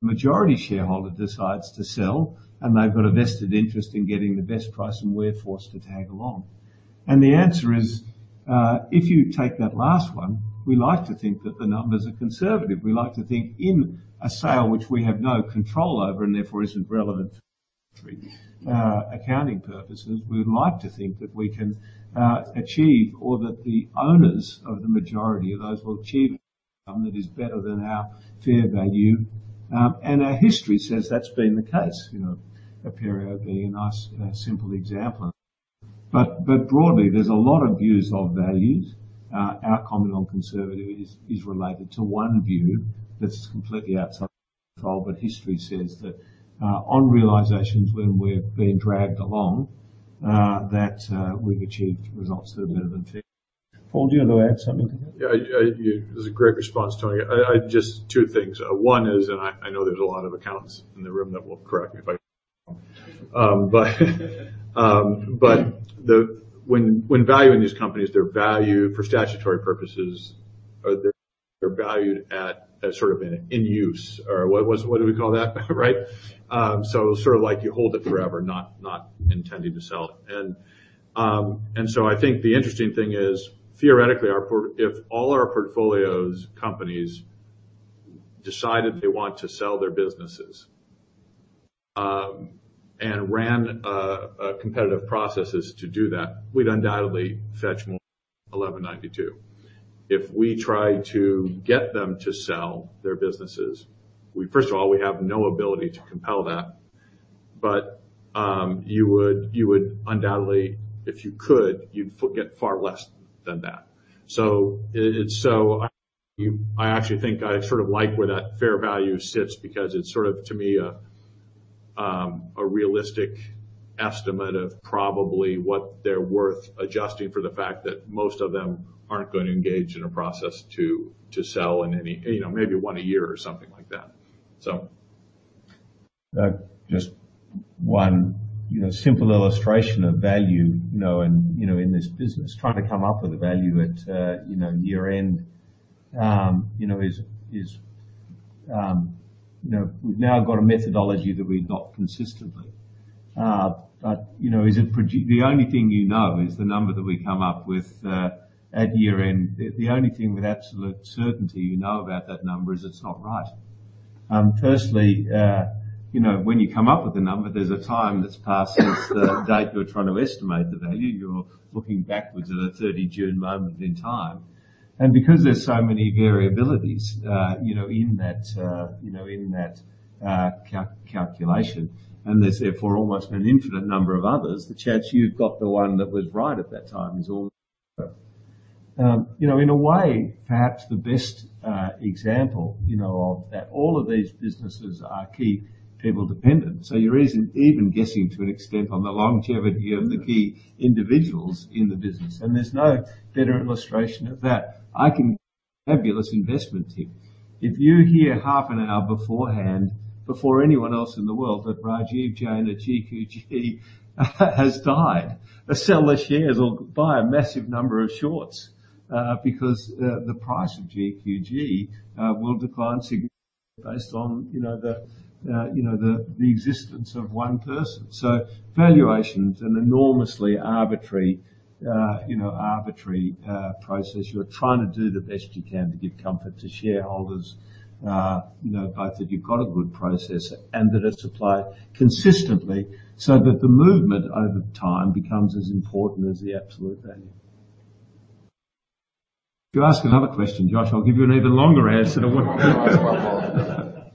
Majority shareholder decides to sell, and they've got a vested interest in getting the best price, and we're forced to tag along. The answer is, if you take that last one, we like to think that the numbers are conservative. We like to think in a sale, which we have no control over and therefore isn't relevant for accounting purposes, we'd like to think that we can achieve or that the owners of the majority of those will achieve something that is better than our fair value. And our history says that's been the case, you know, Aperio being a nice simple example. But, but broadly, there's a lot of views of values. Our comment on conservative is related to one view that's completely outside our control, but history says that on realizations when we're being dragged along that we've achieved results that have been fair. Paul, do you want to add something to that? Yeah, I, I, you. That's a great response, Tony. I, I just two things. One is, I know there's a lot of accountants in the room that will correct me if I, but, but the, when, when valuing these companies, their value for statutory purposes, or they're, they're valued at, at sort of an in-use or what, what do we call that? Right? So sort of like you hold it forever, not, not intending to sell it. I think the interesting thing is, theoretically, our port if all our portfolio companies decided they want to sell their businesses, and ran, a competitive processes to do that, we'd undoubtedly fetch more than $11.92. If we try to get them to sell their businesses, we first of all, we have no ability to compel that. But, you would undoubtedly, if you could, you'd get far less than that. So it, it's so, I actually think I sort of like where that fair value sits, because it's sort of, to me, a realistic estimate of probably what they're worth, adjusting for the fact that most of them aren't going to engage in a process to sell in any, you know, maybe one a year or something like that. So. Just one, you know, simple illustration of value, you know, and, you know, in this business, trying to come up with a value at, you know, year-end, you know, is, you know, we've now got a methodology that we've got consistently. But, you know, the only thing you know is the number that we come up with, at year-end. The only thing with absolute certainty you know about that number is it's not right. Firstly, you know, when you come up with a number, there's a time that's passed since the date you're trying to estimate the value. You're looking backwards at a thirty June moment in time. Because there's so many variabilities, you know, in that, you know, in that, calculation, and there's therefore almost an infinite number of others, the chance you've got the one that was right at that time is all better. You know, in a way, perhaps the best example, you know, of that, all of these businesses are key people dependent. So you aren't even guessing to an extent on the longevity of the key individuals in the business, and there's no better illustration of that than the fabulous investment team. If you hear half an hour beforehand, before anyone else in the world, that Rajiv Jain at GQG has died, sell the shares or buy a massive number of shorts, because the price of GQG will decline significantly based on, you know, the, you know, the existence of one person. So valuations are enormously arbitrary, you know, arbitrary process. You're trying to do the best you can to give comfort to shareholders, you know, both that you've got a good process and that it's applied consistently so that the movement over time becomes as important as the absolute value. If you ask another question, Josh, I'll give you an even longer answer to what?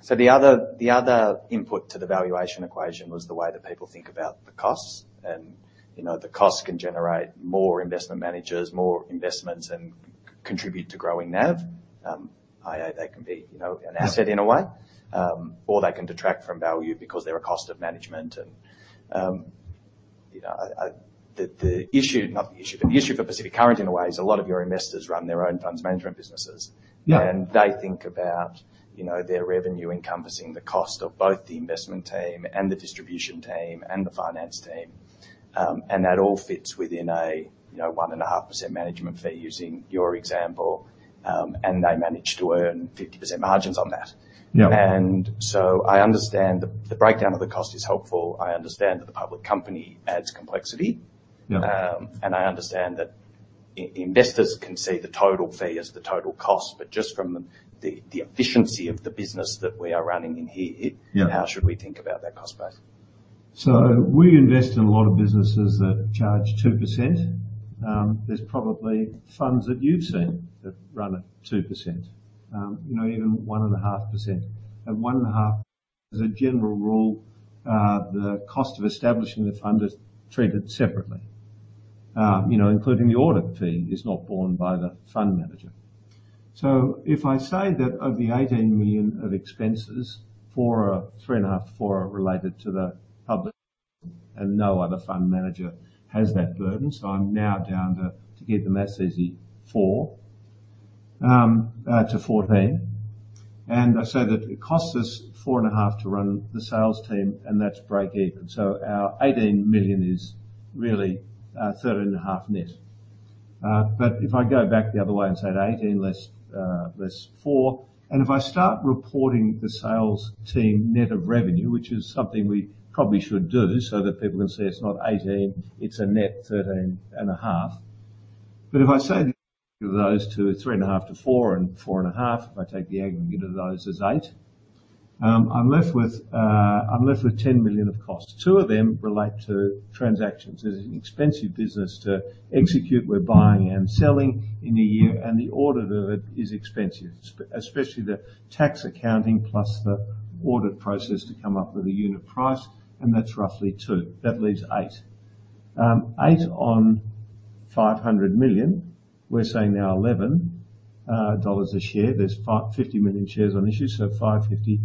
So the other input to the valuation equation was the way that people think about the costs. And, you know, the costs can generate more investment managers, more investments, and contribute to growing NAV. i.e., they can be, you know, an asset in a way, or they can detract from value because they're a cost of management. And, you know, the issue, not the issue, but the issue for Pacific Current, in a way, is a lot of your investors run their own funds management businesses. Yeah. They think about, you know, their revenue encompassing the cost of both the investment team and the distribution team and the finance team. That all fits within a, you know, 1.5% management fee, using your example, and they manage to earn 50% margins on that. Yeah. I understand the breakdown of the cost is helpful. I understand that the public company adds complexity. Yeah. And I understand that investors can see the total fee as the total cost, but just from the efficiency of the business that we are running in here- Yeah. How should we think about that cost base? So we invest in a lot of businesses that charge 2%. There's probably funds that you've seen that run at 2%, you know, even 1.5%. At 1.5%, as a general rule, the cost of establishing the fund is treated separately. You know, including the audit fee, is not borne by the fund manager. So if I say that of the 18 million of expenses, 3.5-4 million are related to the public, and no other fund manager has that burden. So I'm now down to, to give them as easy 4 million, to 14 million. And I say that it costs us 4.5 million to run the sales team, and that's break even. So our 18 million is really, thirteen and a half net. But if I go back the other way and say 18 less 4, and if I start reporting the sales team net of revenue, which is something we probably should do, so that people can see it's not 18, it's a net 13.5. But if I say those two 3.5-4 and 4.5, if I take the aggregate of those as 8, I'm left with 10 million of costs. 2 of them relate to transactions. It's an expensive business to execute. We're buying and selling in a year, and the audit of it is expensive, especially the tax accounting plus the audit process to come up with a unit price, and that's roughly two. That leaves 8. 8 on 500 million. We're saying now 11 dollars a share. There's 50 million shares on issue, so 550.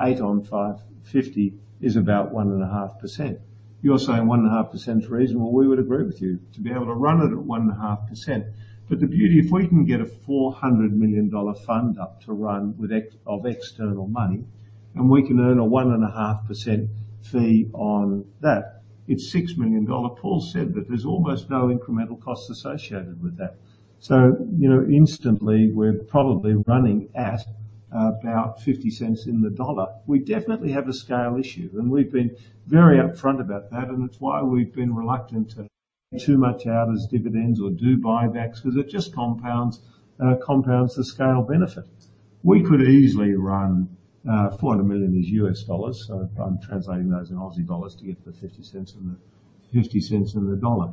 8 on 550 is about 1.5%. You're saying 1.5% is reasonable. We would agree with you to be able to run it at 1.5%. But the beauty, if we can get a 400 million dollar fund up to run with of external money, and we can earn a 1.5% fee on that, it's 6 million dollar. Paul said that there's almost no incremental costs associated with that. So, you know, instantly, we're probably running at about 50 cents in the dollar. We definitely have a scale issue, and we've been very upfront about that, and it's why we've been reluctant to pay too much out as dividends or do buybacks, because it just compounds the scale benefit. We could easily run $400 million in US dollars, so I'm translating those in Aussie dollars to get the 50 cents on the, 50 cents on the dollar.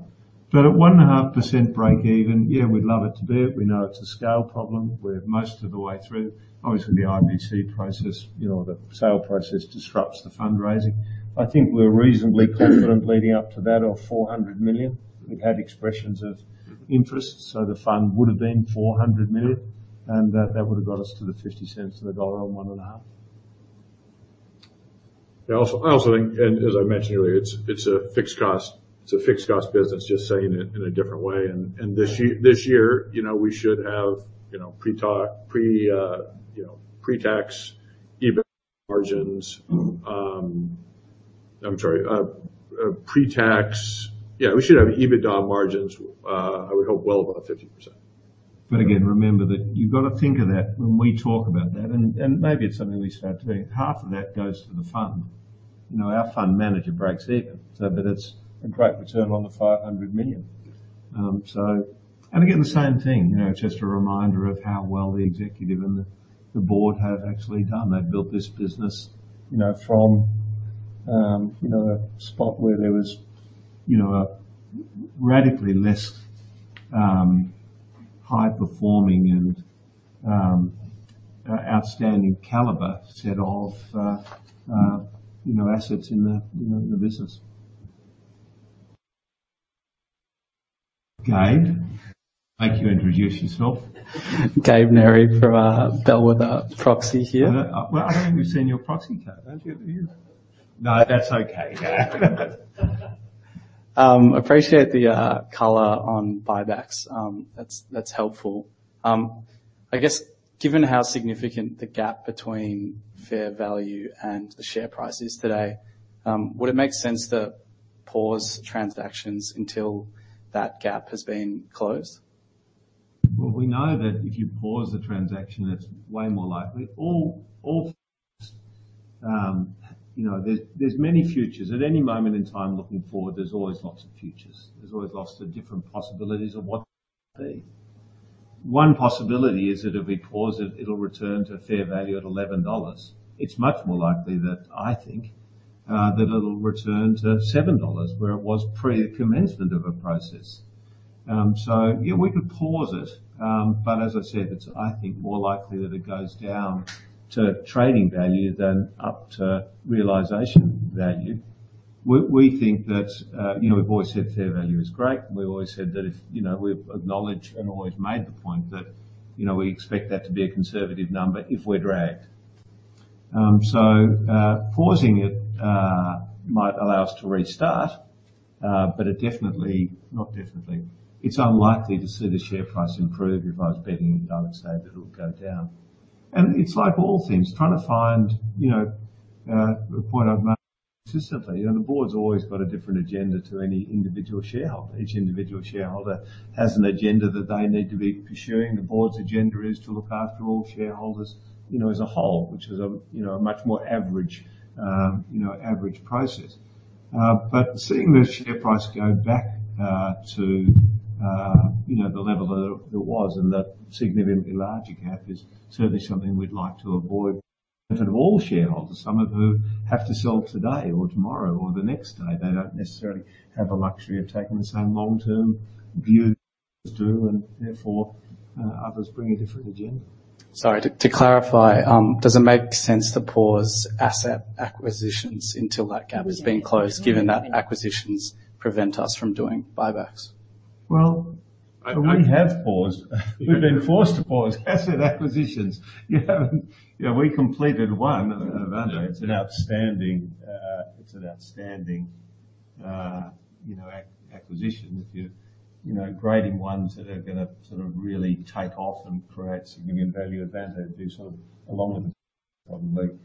But at 1.5% break even, yeah, we'd love it to do it. We know it's a scale problem. We're most of the way through. Obviously, the IBC process, you know, the sale process disrupts the fundraising. I think we're reasonably confident leading up to that of $400 million. We've had expressions of interest, so the fund would have been $400 million, and that, that would have got us to the 50 cents on the $1.5. I also think, and as I mentioned earlier, it's a fixed cost. It's a fixed cost business, just saying it in a different way. And this year, you know, we should have pre-tax EBITDA margins. Yeah, we should have EBITDA margins, I would hope, well above 50%. But again, remember that you've got to think of that when we talk about that, and, and maybe it's something we start doing. Half of that goes to the fund. You know, our fund manager breaks even. So but it's a great return on the 500 million. And again, the same thing, you know, just a reminder of how well the executive and the board have actually done. They've built this business, you know, from, you know, a spot where there was, you know, a radically less high performing and outstanding caliber set of, you know, assets in the business. Gabe, might you introduce yourself? Gabe Neri from Bellwether Proxy here. Well, I don't think we've seen your proxy, Gabe, have you? No, that's okay. Appreciate the color on buybacks. That's, that's helpful. I guess, given how significant the gap between fair value and the share price is today, would it make sense to pause transactions until that gap has been closed? Well, we know that if you pause the transaction, it's way more likely. All, you know, there's many futures. At any moment in time, looking forward, there's always lots of futures. There's always lots of different possibilities of what they might be. One possibility is that if we pause it, it'll return to fair value at 11 dollars. It's much more likely that I think, that it'll return to 7 dollars, where it was pre-commencement of a process. So, yeah, we could pause it, but as I said, it's I think, more likely that it goes down to trading value than up to realization value. We think that, you know, we've always said fair value is great. We've always said that if, you know, we've acknowledged and always made the point that, you know, we expect that to be a conservative number if we're dragged. So, pausing it might allow us to restart, but it definitely, not definitely, it's unlikely to see the share price improve. If I was betting, I would say that it would go down. And it's like all things, trying to find, you know, a point I've made consistently, you know, the board's always got a different agenda to any individual shareholder. Each individual shareholder has an agenda that they need to be pursuing. The board's agenda is to look after all shareholders, you know, as a whole, which is a, you know, a much more average, you know, average process. But seeing the share price go back, to, you know, the level that it, it was, and that significantly larger gap is certainly something we'd like to avoid for all shareholders, some of who have to sell today, or tomorrow, or the next day. They don't necessarily have the luxury of taking the same long-term view as do, and therefore, others bring a different agenda. Sorry, to clarify, does it make sense to pause asset acquisitions until that gap has been closed, given that acquisitions prevent us from doing buybacks? Well, we have paused. We've been forced to pause asset acquisitions. You know, yeah, we completed one, Avante. It's an outstanding, you know, acquisition. If you're, you know, grading ones that are gonna sort of really take off and create significant value, Avante would be sort of among them, probably,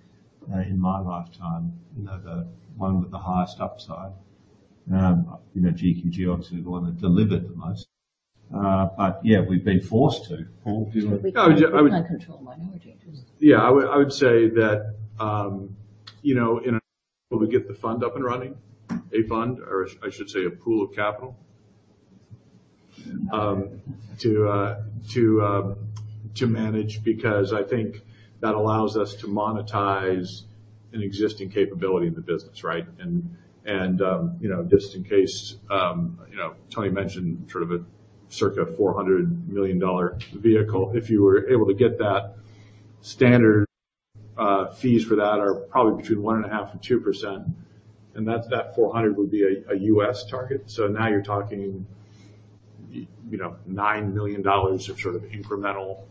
in my lifetime, you know, the one with the highest upside. You know, GQG, obviously, the one that delivered the most. But yeah, we've been forced to, Paul, do you want- We can't control minority, isn't it? Yeah, I would, I would say that, you know, in order to get the fund up and running, a fund, or I should say, a pool of capital, to, to manage, because I think that allows us to monetize an existing capability in the business, right? And, and, you know, just in case, you know, Tony mentioned sort of a circa $400 million vehicle. If you were able to get that standard, fees for that are probably between 1.5% and 2%, and that, that four hundred would be a, a US target. So now you're talking, you know, $9 million of sort of incremental,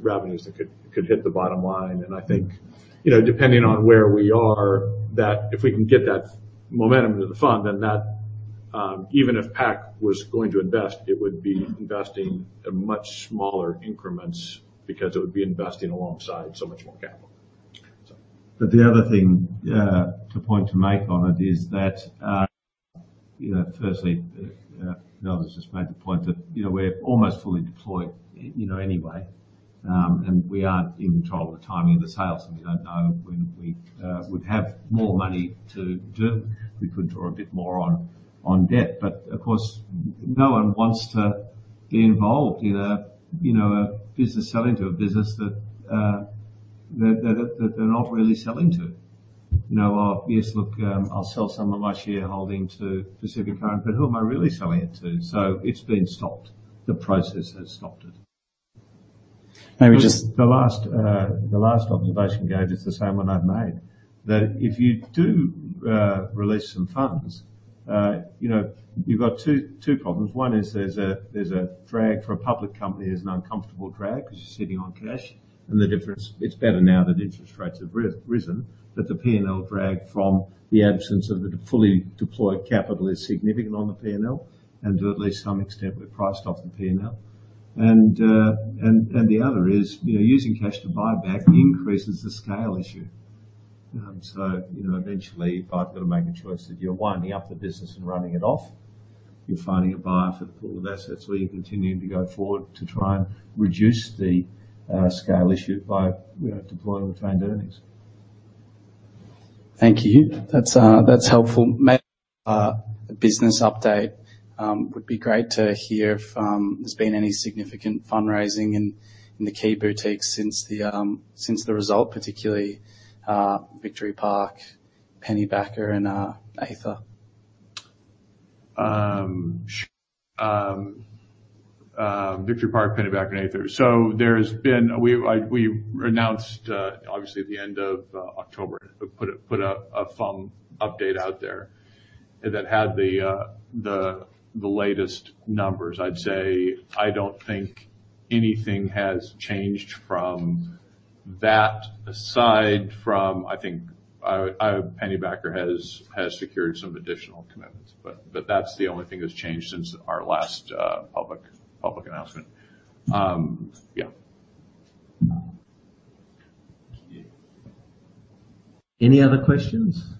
revenues that could, could hit the bottom line. I think, you know, depending on where we are, that if we can get that momentum to the fund, then that, even if PAC was going to invest, it would be investing at much smaller increments because it would be investing alongside so much more capital. So... But the other thing, the point to make on it is that, you know, firstly, Nelson has just made the point that, you know, we're almost fully deployed, you know, anyway. And we aren't in control of the timing of the sales, and we don't know when we would have more money to do. We could draw a bit more on debt, but of course, no one wants to get involved in a, you know, a business selling to a business that they're not really selling to. You know, yes, look, I'll sell some of my shareholding to Pacific Current, but who am I really selling it to? So it's been stopped. The process has stopped it. Maybe just- The last, the last observation, Gabe, is the same one I've made, that if you do, release some funds, you know, you've got two, two problems. One is there's a drag for a public company. There's an uncomfortable drag because you're sitting on cash, and the difference, it's better now that interest rates have risen, but the PNL drag from the absence of the fully deployed capital is significant on the PNL, and to at least some extent, we're priced off the PNL. And the other is, you know, using cash to buy back increases the scale issue. You know, eventually, if I've got to make a choice that you're winding up the business and writing it off, you're finding a buyer for the pool of assets, or you're continuing to go forward to try and reduce the scale issue by, you know, deploying retained earnings. Thank you. That's, that's helpful. A business update would be great to hear if there's been any significant fundraising in the key boutiques since the result, particularly Victory Park, Pennybacker and Aether? Victory Park, Pennybacker and Aether. So we've announced, obviously, at the end of October, put an update out there that had the latest numbers. I'd say I don't think anything has changed from that, aside from, I think, Pennybacker has secured some additional commitments. But that's the only thing that's changed since our last public announcement. Yeah. Any other questions?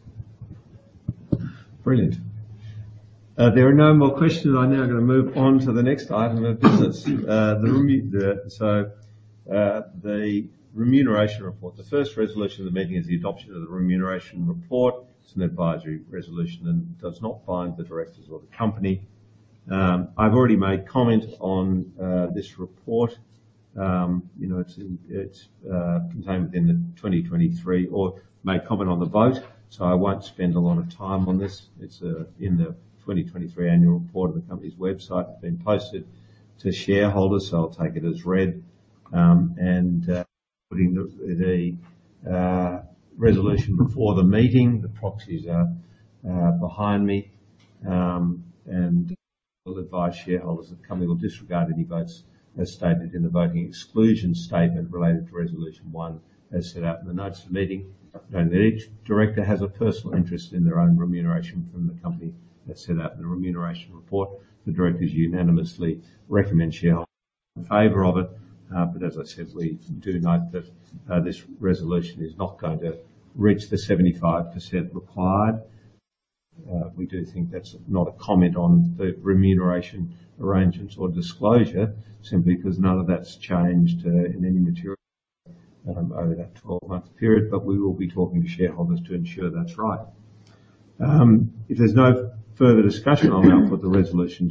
Brilliant. There are no more questions. I'm now going to move on to the next item of business. The remuneration report. The first resolution of the meeting is the adoption of the remuneration report. It's an advisory resolution and does not bind the directors or the company. I've already made comment on this report. You know, it's contained within the 2023 or made comment on the vote, so I won't spend a lot of time on this. It's in the 2023 annual report on the company's website, have been posted to shareholders, so I'll take it as read. Putting the resolution before the meeting, the proxies are behind me. We'll advise shareholders, the company will disregard any votes, as stated in the voting exclusion statement related to Resolution 1, as set out in the notes for meeting. Note that each director has a personal interest in their own remuneration from the company, as set out in the remuneration report. The directors unanimously recommend shareholders in favor of it. But as I said, we do note that this resolution is not going to reach the 75% required. We do think that's not a comment on the remuneration arrangements or disclosure, simply because none of that's changed in any material over that 12-month period. But we will be talking to shareholders to ensure that's right. If there's no further discussion, I'll now put the resolution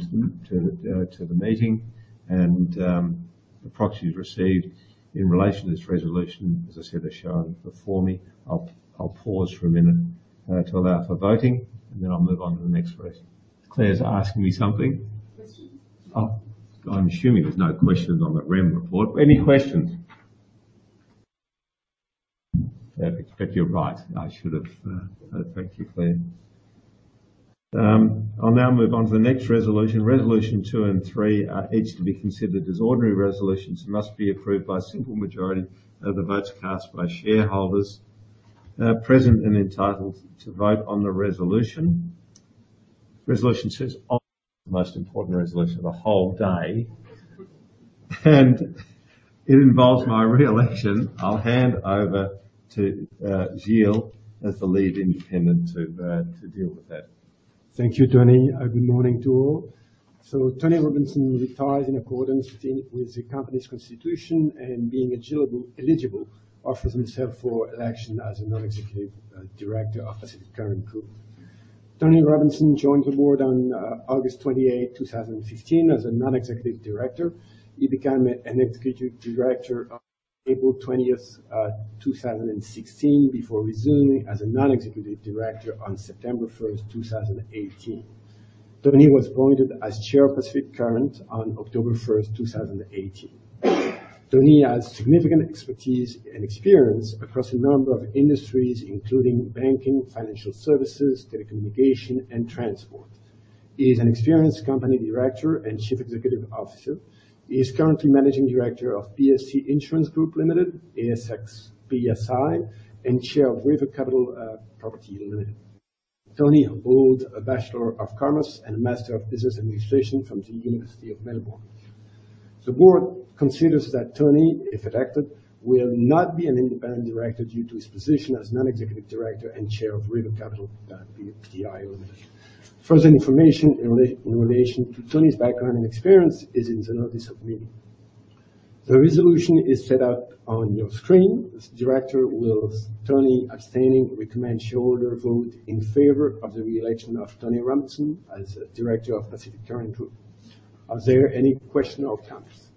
to the meeting and the proxies received in relation to this resolution. As I said, they're shown before me. I'll pause for a minute to allow for voting, and then I'll move on to the next res. Claire's asking me something? Oh, I'm assuming there's no questions on the REM report. Any questions? You're right. I should have... Thank you, Claire. I'll now move on to the next resolution. Resolution two and three are each to be considered as ordinary resolutions and must be approved by a simple majority of the votes cast by shareholders, present and entitled to vote on the resolution. Resolution says, the most important resolution of the whole day, and it involves my reelection. I'll hand over to, Gil as the lead independent to, to deal with that. Thank you, Tony. Good morning to all. So Tony Robinson retires in accordance with the company's constitution and being eligible, offers himself for election as a non-executive director of Pacific Current Group. Tony Robinson joined the board on August 28, 2015, as a non-executive director. He became an executive director on April 20, 2016, before resuming as a non-executive director on September 1, 2018. Tony was appointed as chair of Pacific Current on October 1, 2018. Tony has significant expertise and experience across a number of industries, including banking, financial services, telecommunication, and transport. He is an experienced company director and chief executive officer. He is currently managing director of PSC Insurance Group Limited, ASX PSI, and chair of River Capital Property Limited. Tony holds a Bachelor of Commerce and a Master of Business Administration from the University of Melbourne. The board considers that Tony, if elected, will not be an independent director due to his position as non-executive director and chair of River Capital Pty Limited. Further information in relation to Tony's background and experience is in the notice of meeting. The resolution is set out on your screen. This director wills Tony abstaining, recommend shareholder vote in favor of the reelection of Tony Robinson as a director of Pacific Current Group. Are there any questions or comments?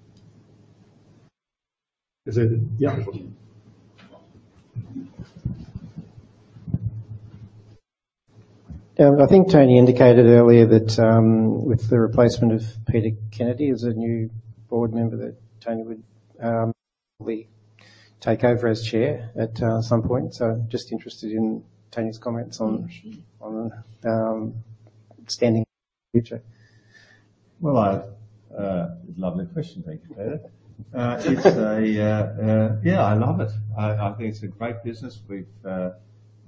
Is there... Yeah. I think Tony indicated earlier that, with the replacement of Peter Kennedy as a new board member, that Tony would probably take over as chair at some point. So just interested in Tony's comments on, on, standing in the future. Well, I've a lovely question. Thank you, Peter. It's a, yeah, I love it. I think it's a great business.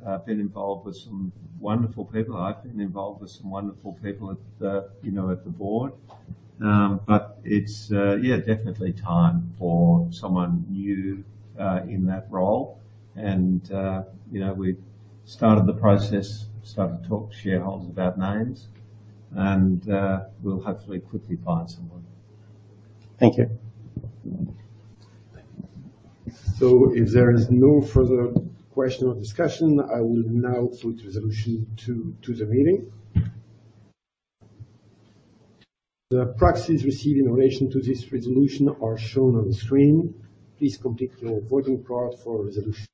We've been involved with some wonderful people. I've been involved with some wonderful people at the, you know, at the board. But it's, yeah, definitely time for someone new, in that role. You know, we've started the process, started to talk to shareholders about names, and we'll hopefully quickly find someone. Thank you. If there is no further questions or discussion, I will now put resolution to the meeting. The proxies received in relation to this resolution are shown on the screen. Please complete your voting card for resolution.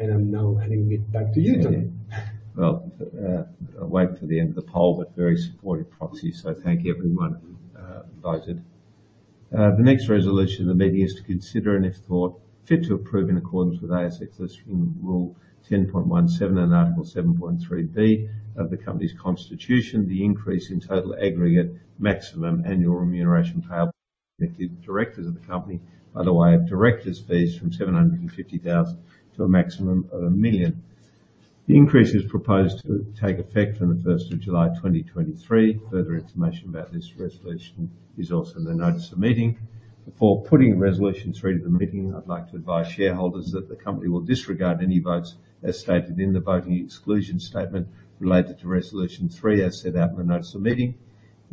I'm now handing it back to you, Tony. Well, I'll wait for the end of the poll, but very supportive proxy, so thank you everyone, who voted. The next resolution of the meeting is to consider, and if thought fit to approve in accordance with ASX Listing Rule 10.17, and Article 7.3B of the company's constitution, the increase in total aggregate maximum annual remuneration payable to the directors of the company, by the way, of directors' fees from 750,000 to a maximum of 1 million. The increase is proposed to take effect from the first of July 2023. Further information about this resolution is also in the notice of the meeting. Before putting resolution 3 to the meeting, I'd like to advise shareholders that the company will disregard any votes as stated in the voting exclusion statement related to resolution 3, as set out in the notice of meeting.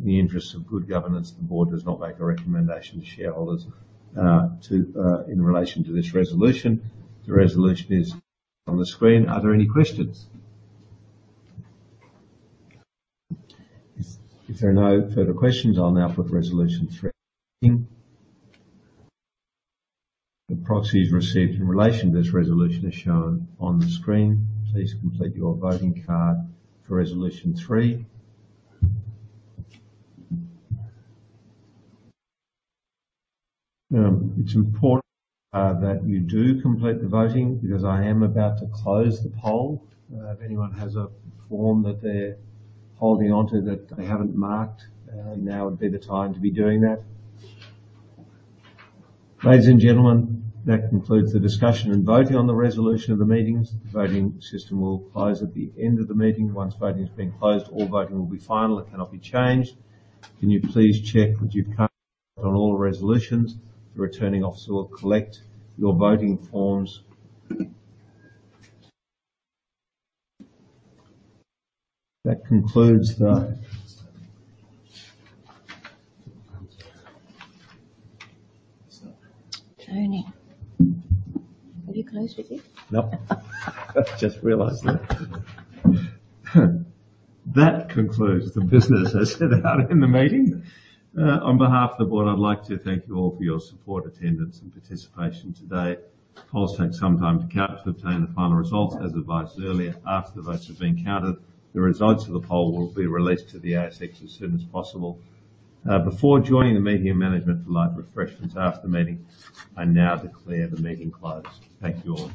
In the interest of good governance, the board does not make a recommendation to shareholders in relation to this resolution. The resolution is on the screen. Are there any questions? If there are no further questions, I'll now put resolution 3. The proxies received in relation to this resolution is shown on the screen. Please complete your voting card for resolution 3. It's important that you do complete the voting, because I am about to close the poll. If anyone has a form that they're holding onto that they haven't marked, now would be the time to be doing that. Ladies and gentlemen, that concludes the discussion and voting on the resolution of the meetings. The voting system will close at the end of the meeting. Once voting has been closed, all voting will be final. It cannot be changed. Can you please check that you've voted on all the resolutions? The returning officer will collect your voting forms. That concludes the- Tony, have you closed with this? Nope. Just realized that. That concludes the business as set out in the meeting. On behalf of the board, I'd like to thank you all for your support, attendance, and participation today. The polls take some time to count to obtain the final results. As advised earlier, after the votes have been counted, the results of the poll will be released to the ASX as soon as possible. Before joining the meeting and management for light refreshments after the meeting, I now declare the meeting closed. Thank you all.